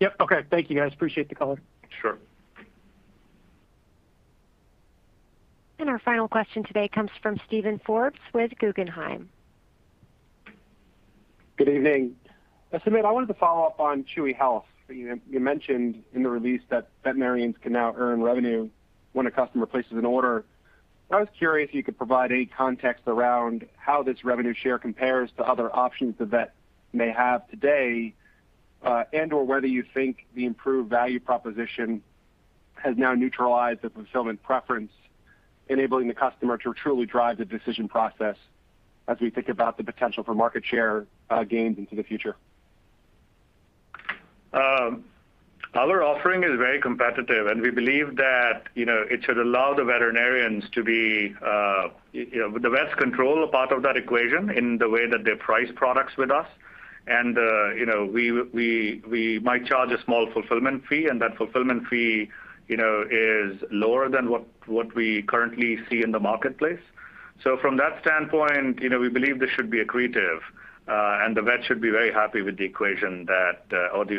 Yep. Okay. Thank you, guys. Appreciate the color. Sure. Our final question today comes from Steven Forbes with Guggenheim. Good evening. Sumit, I wanted to follow up on Chewy Health. You mentioned in the release that veterinarians can now earn revenue when a customer places an order. I was curious if you could provide any context around how this revenue share compares to other options the vet may have today, and/or whether you think the improved value proposition has now neutralized the fulfillment preference, enabling the customer to truly drive the decision process as we think about the potential for market share gains into the future? Our offering is very competitive, and we believe that it should allow the veterinarians to be. The vets control a part of that equation in the way that they price products with us. We might charge a small fulfillment fee, and that fulfillment fee is lower than what we currently see in the marketplace. From that standpoint, we believe this should be accretive, and the vet should be very happy with the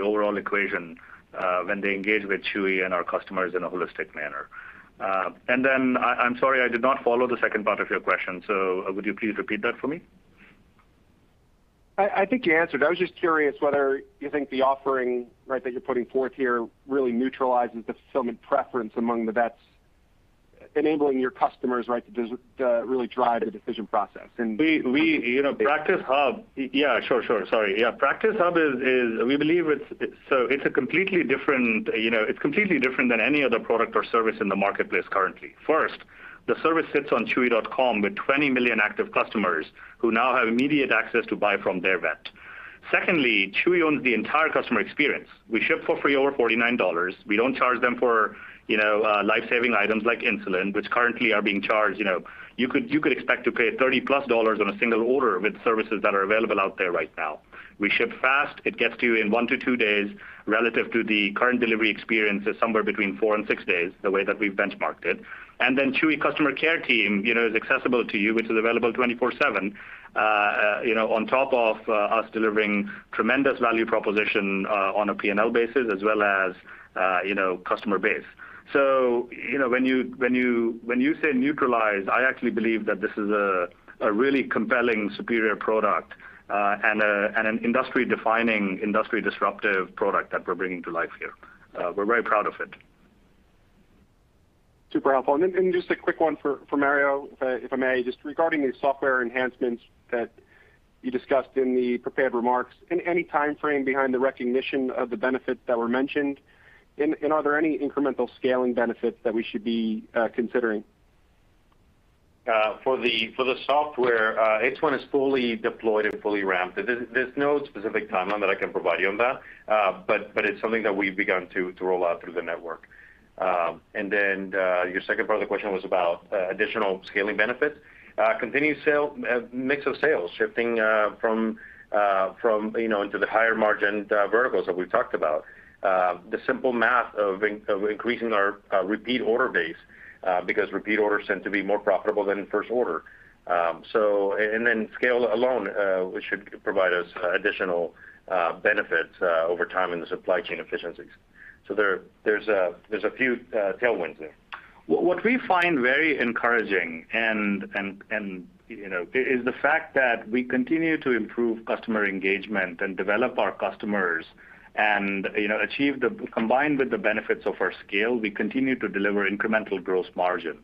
overall equation when they engage with Chewy and our customers in a holistic manner. Then, I'm sorry, I did not follow the second part of your question, so would you please repeat that for me? I think you answered. I was just curious whether you think the offering, right, that you're putting forth here really neutralizes the fulfillment preference among the vets, enabling your customers, right, to really drive the decision process. Practice Hub, it's completely different than any other product or service in the marketplace currently. First, the service sits on chewy.com with 20 million active customers who now have immediate access to buy from their vet. Secondly, Chewy owns the entire customer experience. We ship for free over $49. We don't charge them for life-saving items like insulin, which currently are being charged. You could expect to pay +$30 on a single order with services that are available out there right now. We ship fast. It gets to you in one to two days, relative to the current delivery experience is somewhere between four and six days, the way that we've benchmarked it. Then Chewy customer care team is accessible to you, which is available 24/7, on top of us delivering tremendous value proposition on a P&L basis as well as customer base. When you say neutralized, I actually believe that this is a really compelling, superior product, and an industry-defining, industry-disruptive product that we're bringing to life here. We're very proud of it. Super helpful. Just a quick one for Mario, if I may. Just regarding the software enhancements that you discussed in the prepared remarks, any timeframe behind the recognition of the benefits that were mentioned? Are there any incremental scaling benefits that we should be considering? For the software, H1 is fully deployed and fully ramped. There's no specific timeline that I can provide you on that. It's something that we've begun to roll out through the network. Your second part of the question was about additional scaling benefits. Continued mix of sales, shifting into the higher-margin verticals that we've talked about. The simple math of increasing our repeat order base, because repeat orders tend to be more profitable than first order. Scale alone, which should provide us additional benefits over time in the supply chain efficiencies. There's a few tailwinds there. What we find very encouraging, and is the fact that we continue to improve customer engagement and develop our customers and combined with the benefits of our scale, we continue to deliver incremental gross margin.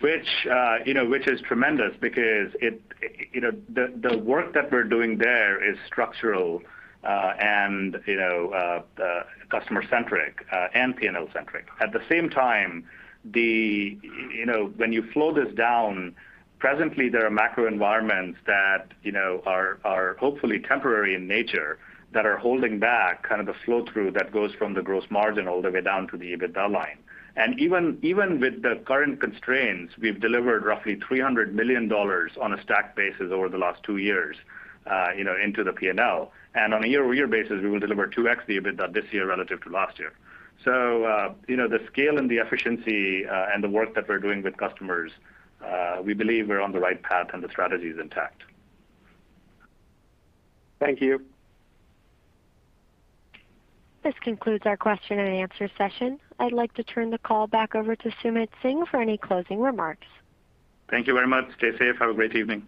Which is tremendous because the work that we're doing there is structural, and customer-centric, and P&L-centric. At the same time, when you flow this down, presently, there are macro environments that are hopefully temporary in nature, that are holding back kind of the flow-through that goes from the gross margin all the way down to the EBITDA line. Even with the current constraints, we've delivered roughly $300 million on a stack basis over the last two years into the P&L. On a year-over-year basis, we will deliver 2x the EBITDA this year relative to last year. The scale and the efficiency, and the work that we're doing with customers, we believe we're on the right path and the strategy's intact. Thank you. This concludes our question and answer session. I'd like to turn the call back over to Sumit Singh for any closing remarks. Thank you very much. Stay safe. Have a great evening.